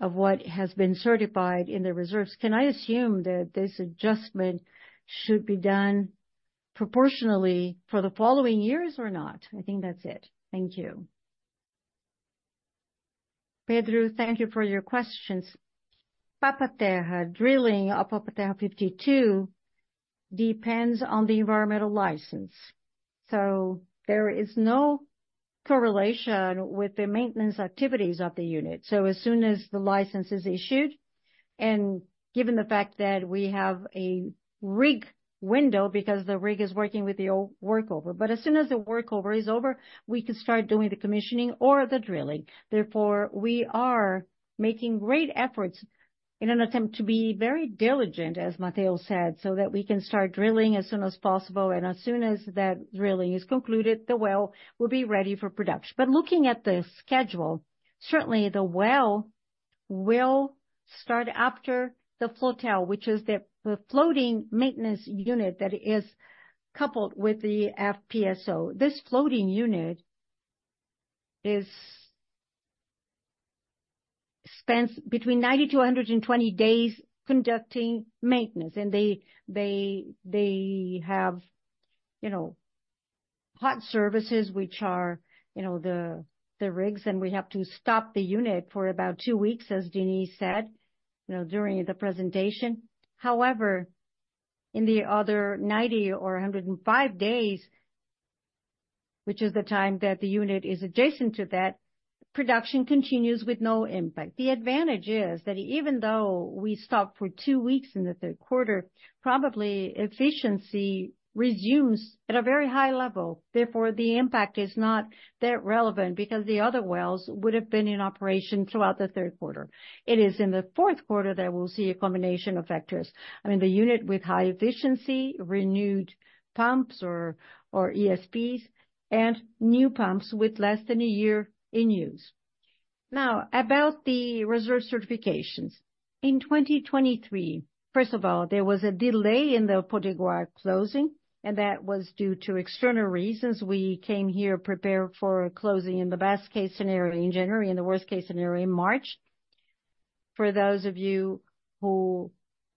of what has been certified in the reserves, can I assume that this adjustment should be done proportionally for the following years or not? I think that's it. Thank you. Pedro, thank you for your Papa-Terra, drilling Papa-Terra 52 depends on the environmental license. So there is no correlation with the maintenance activities of the unit. So as soon as the license is issued, and given the fact that we have a rig window because the rig is working with the old workover, but as soon as the workover is over, we can start doing the commissioning or the drilling. Therefore, we are making great efforts in an attempt to be very diligent, as Matheus said, so that we can start drilling as soon as possible. As soon as that drilling is concluded, the well will be ready for production. But looking at the schedule, certainly, the well will start after the flotel, which is the floating maintenance unit that is coupled with the FPSO. This floating unit spends between 90-120 days conducting maintenance. And they have hot services, which are the rigs, and we have to stop the unit for about two weeks, as Diniz said during the presentation. However, in the other 90 or 105 days, which is the time that the unit is adjacent to that, production continues with no impact. The advantage is that even though we stop for two weeks in the third quarter, probably efficiency resumes at a very high level. Therefore, the impact is not that relevant because the other wells would have been in operation throughout the third quarter. It is in the fourth quarter that we'll see a combination of factors. I mean, the unit with high efficiency, renewed pumps or ESPs, and new pumps with less than a year in use. Now, about the reserve certifications. In 2023, first of all, there was a delay in the Potiguar closing, and that was due to external reasons. We came here prepared for closing in the best-case scenario in January and the worst-case scenario in March. For those of you who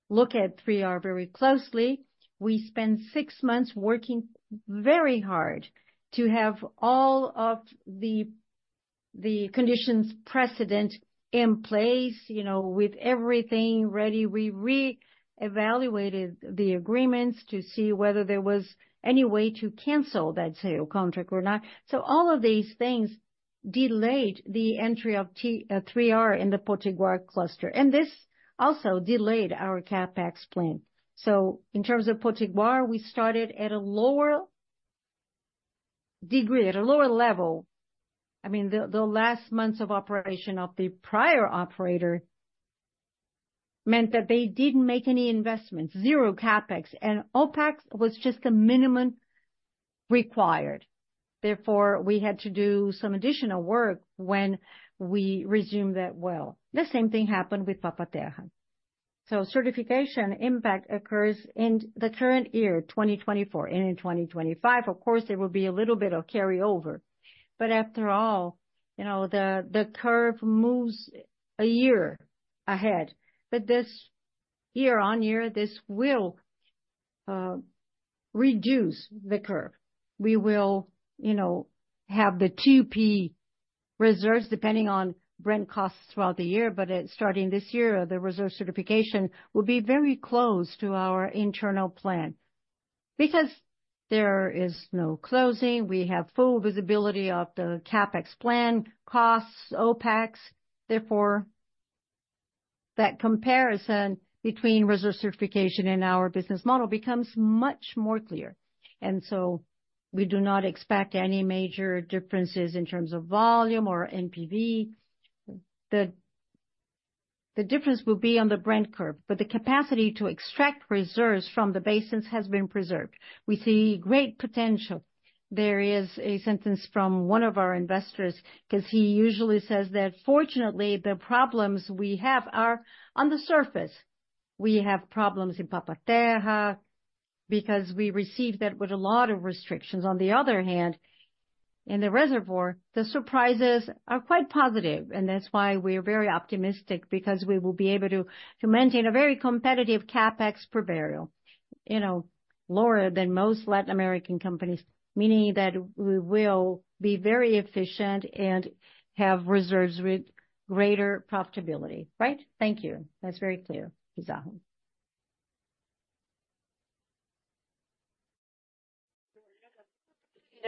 look at 3R very closely, we spent six months working very hard to have all of the conditions precedent in place with everything ready. We re-evaluated the agreements to see whether there was any way to cancel that sale contract or not. So all of these things delayed the entry of 3R in the Potiguar Cluster. And this also delayed our CapEx plan. So in terms of Potiguar, we started at a lower degree, at a lower level. I mean, the last months of operation of the prior operator meant that they didn't make any investments, zero CapEx, and OpEx was just the minimum required. Therefore, we had to do some additional work when we resumed that well. The same thing happened with Papa-Terra. So certification impact occurs in the current year, 2024, and in 2025. Of course, there will be a little bit of carryover. But after all, the curve moves a year ahead. But this year-on-year, this will reduce the curve. We will have the 2P reserves depending on Brent costs throughout the year. But starting this year, the reserve certification will be very close to our internal plan because there is no closing. We have full visibility of the CapEx plan costs, OpEx. Therefore, that comparison between reserve certification and our business model becomes much more clear. And so we do not expect any major differences in terms of volume or NPV. The difference will be on the Brent curve, but the capacity to extract reserves from the basins has been preserved. We see great potential. There is a sentence from one of our investors because he usually says that, "Fortunately, the problems we have are on the surface. We have problems Papa-Terra because we received that with a lot of restrictions." On the other hand, in the reservoir, the surprises are quite positive. That's why we are very optimistic because we will be able to maintain a very competitive CapEx profile, lower than most Latin American companies, meaning that we will be very efficient and have reserves with greater profitability. Right? Thank you. That's very clear, Pizarro.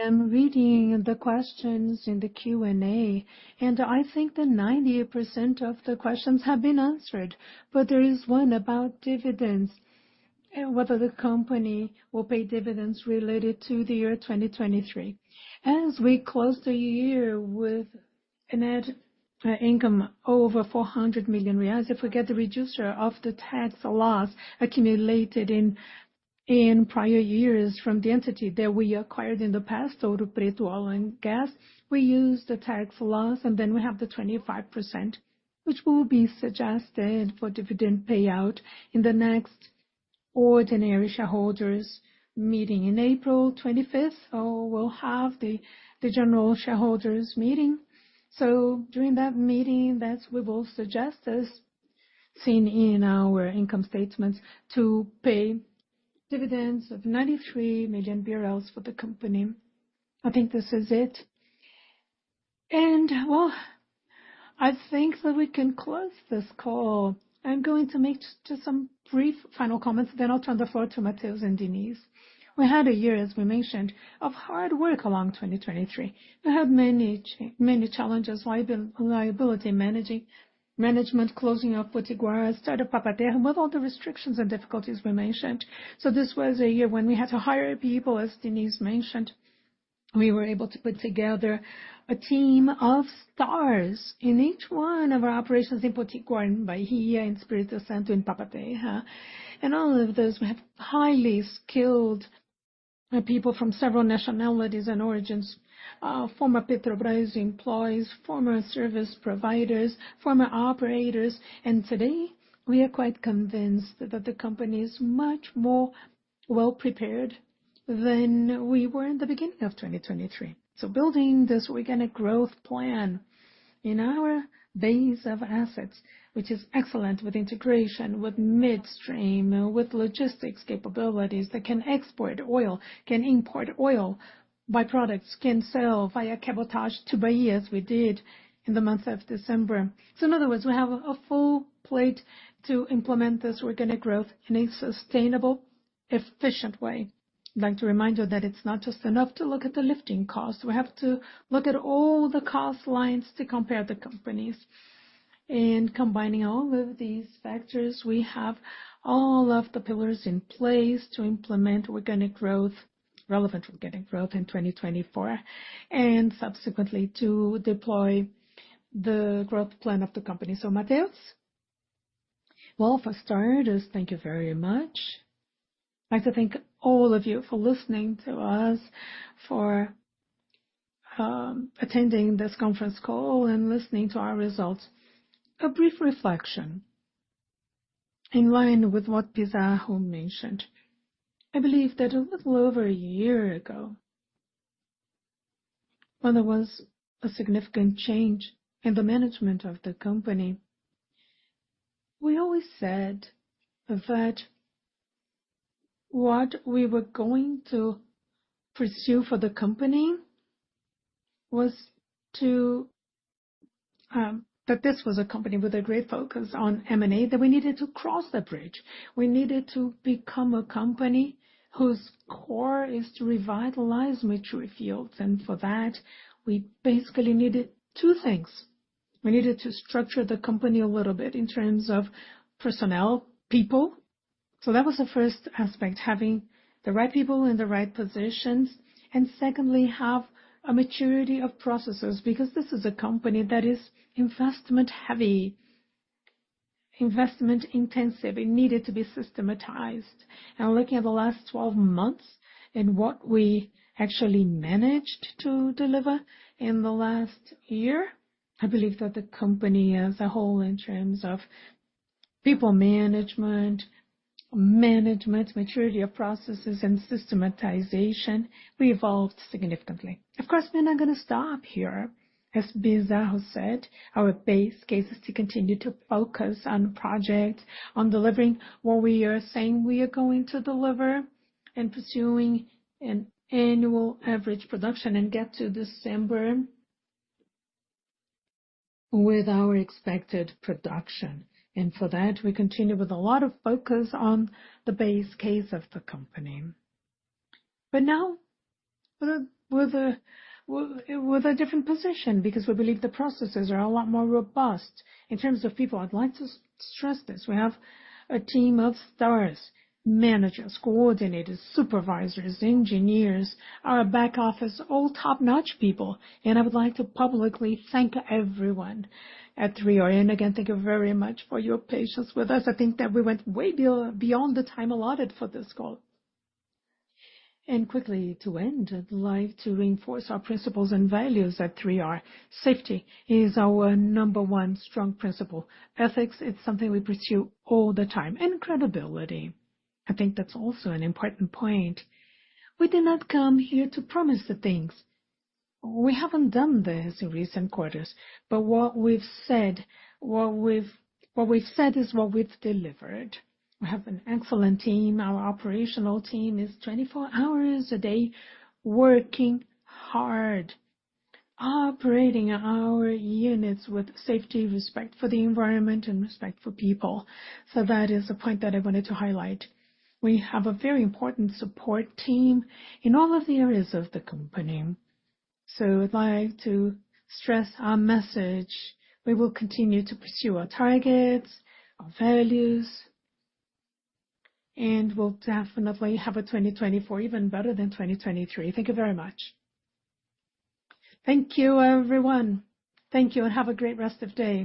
I'm reading the questions in the Q&A, and I think that 90% of the questions have been answered. But there is one about dividends, whether the company will pay dividends related to the year 2023. As we close the year with net income over BRL 400 million, if we get the recovery of the tax loss accumulated in prior years from the entity that we acquired in the past, Ouro Preto Oil and Gas, we use the tax loss, and then we have the 25%, which will be suggested for dividend payout in the next ordinary shareholders meeting in April 25th. We'll have the general shareholders meeting. So during that meeting, we will suggest us, seen in our income statements, to pay dividends of 93 million BRL for the company. I think this is it. And well, I think that we can close this call. I'm going to make just some brief final comments, then I'll turn the floor to Matheus and Diniz. We had a year, as we mentioned, of hard work along 2023. We had many challenges: liability management, closing of Potiguar, start of Papa-Terra with all the restrictions and difficulties we mentioned. So this was a year when we had to hire people. As Diniz mentioned, we were able to put together a team of stars in each one of our operations in Potiguar, in Bahia, in Espírito Santo, in Papa-Terra. And all of those, we have highly skilled people from several nationalities and origins, former Petrobras employees, former service providers, former operators. And today, we are quite convinced that the company is much more well-prepared than we were in the beginning of 2023. So building this organic growth plan in our base of assets, which is excellent with integration, with midstream, with logistics capabilities that can export oil, can import oil by-products, can sell via cabotage to Bahia, as we did in the month of December. So in other words, we have a full plate to implement this organic growth in a sustainable, efficient way. I'd like to remind you that it's not just enough to look at the lifting costs. We have to look at all the cost lines to compare the companies. Combining all of these factors, we have all of the pillars in place to implement organic growth, relevant organic growth in 2024, and subsequently to deploy the growth plan of the company. So Matheus... Well, for starters, thank you very much. I'd like to thank all of you for listening to us, for attending this conference call, and listening to our results. A brief reflection in line with what Pizarro mentioned. I believe that a little over a year ago, when there was a significant change in the management of the company, we always said that what we were going to pursue for the company was that this was a company with a great focus on M&A, that we needed to cross the bridge. We needed to become a company whose core is to revitalize mature fields. And for that, we basically needed two things. We needed to structure the company a little bit in terms of personnel, people. So that was the first aspect, having the right people in the right positions. And secondly, have a maturity of processes because this is a company that is investment-heavy, investment-intensive. It needed to be systematized. And looking at the last 12 months and what we actually managed to deliver in the last year, I believe that the company as a whole in terms of people management, management, maturity of processes, and systematization, we evolved significantly. Of course, we're not going to stop here. As Pizarro said, our base case is to continue to focus on projects, on delivering what we are saying we are going to deliver, and pursuing an annual average production and get to December with our expected production. For that, we continue with a lot of focus on the base case of the company. But now we're in a different position because we believe the processes are a lot more robust in terms of people. I'd like to stress this. We have a team of stars, managers, coordinators, supervisors, engineers, our back office, all top-notch people. I would like to publicly thank everyone at 3R. And again, thank you very much for your patience with us. I think that we went way beyond the time allotted for this call. Quickly to end, I'd like to reinforce our principles and values at 3R. Safety is our number one strong principle. Ethics, it's something we pursue all the time. Credibility, I think that's also an important point. We did not come here to promise the things. We haven't done this in recent quarters. But what we've said, what we've said is what we've delivered. We have an excellent team. Our operational team is 24 hours a day working hard, operating our units with safety, respect for the environment, and respect for people. So that is a point that I wanted to highlight. We have a very important support team in all of the areas of the company. So I'd like to stress our message. We will continue to pursue our targets, our values, and we'll definitely have a 2024 even better than 2023. Thank you very much. Thank you, everyone. Thank you, and have a great rest of the day.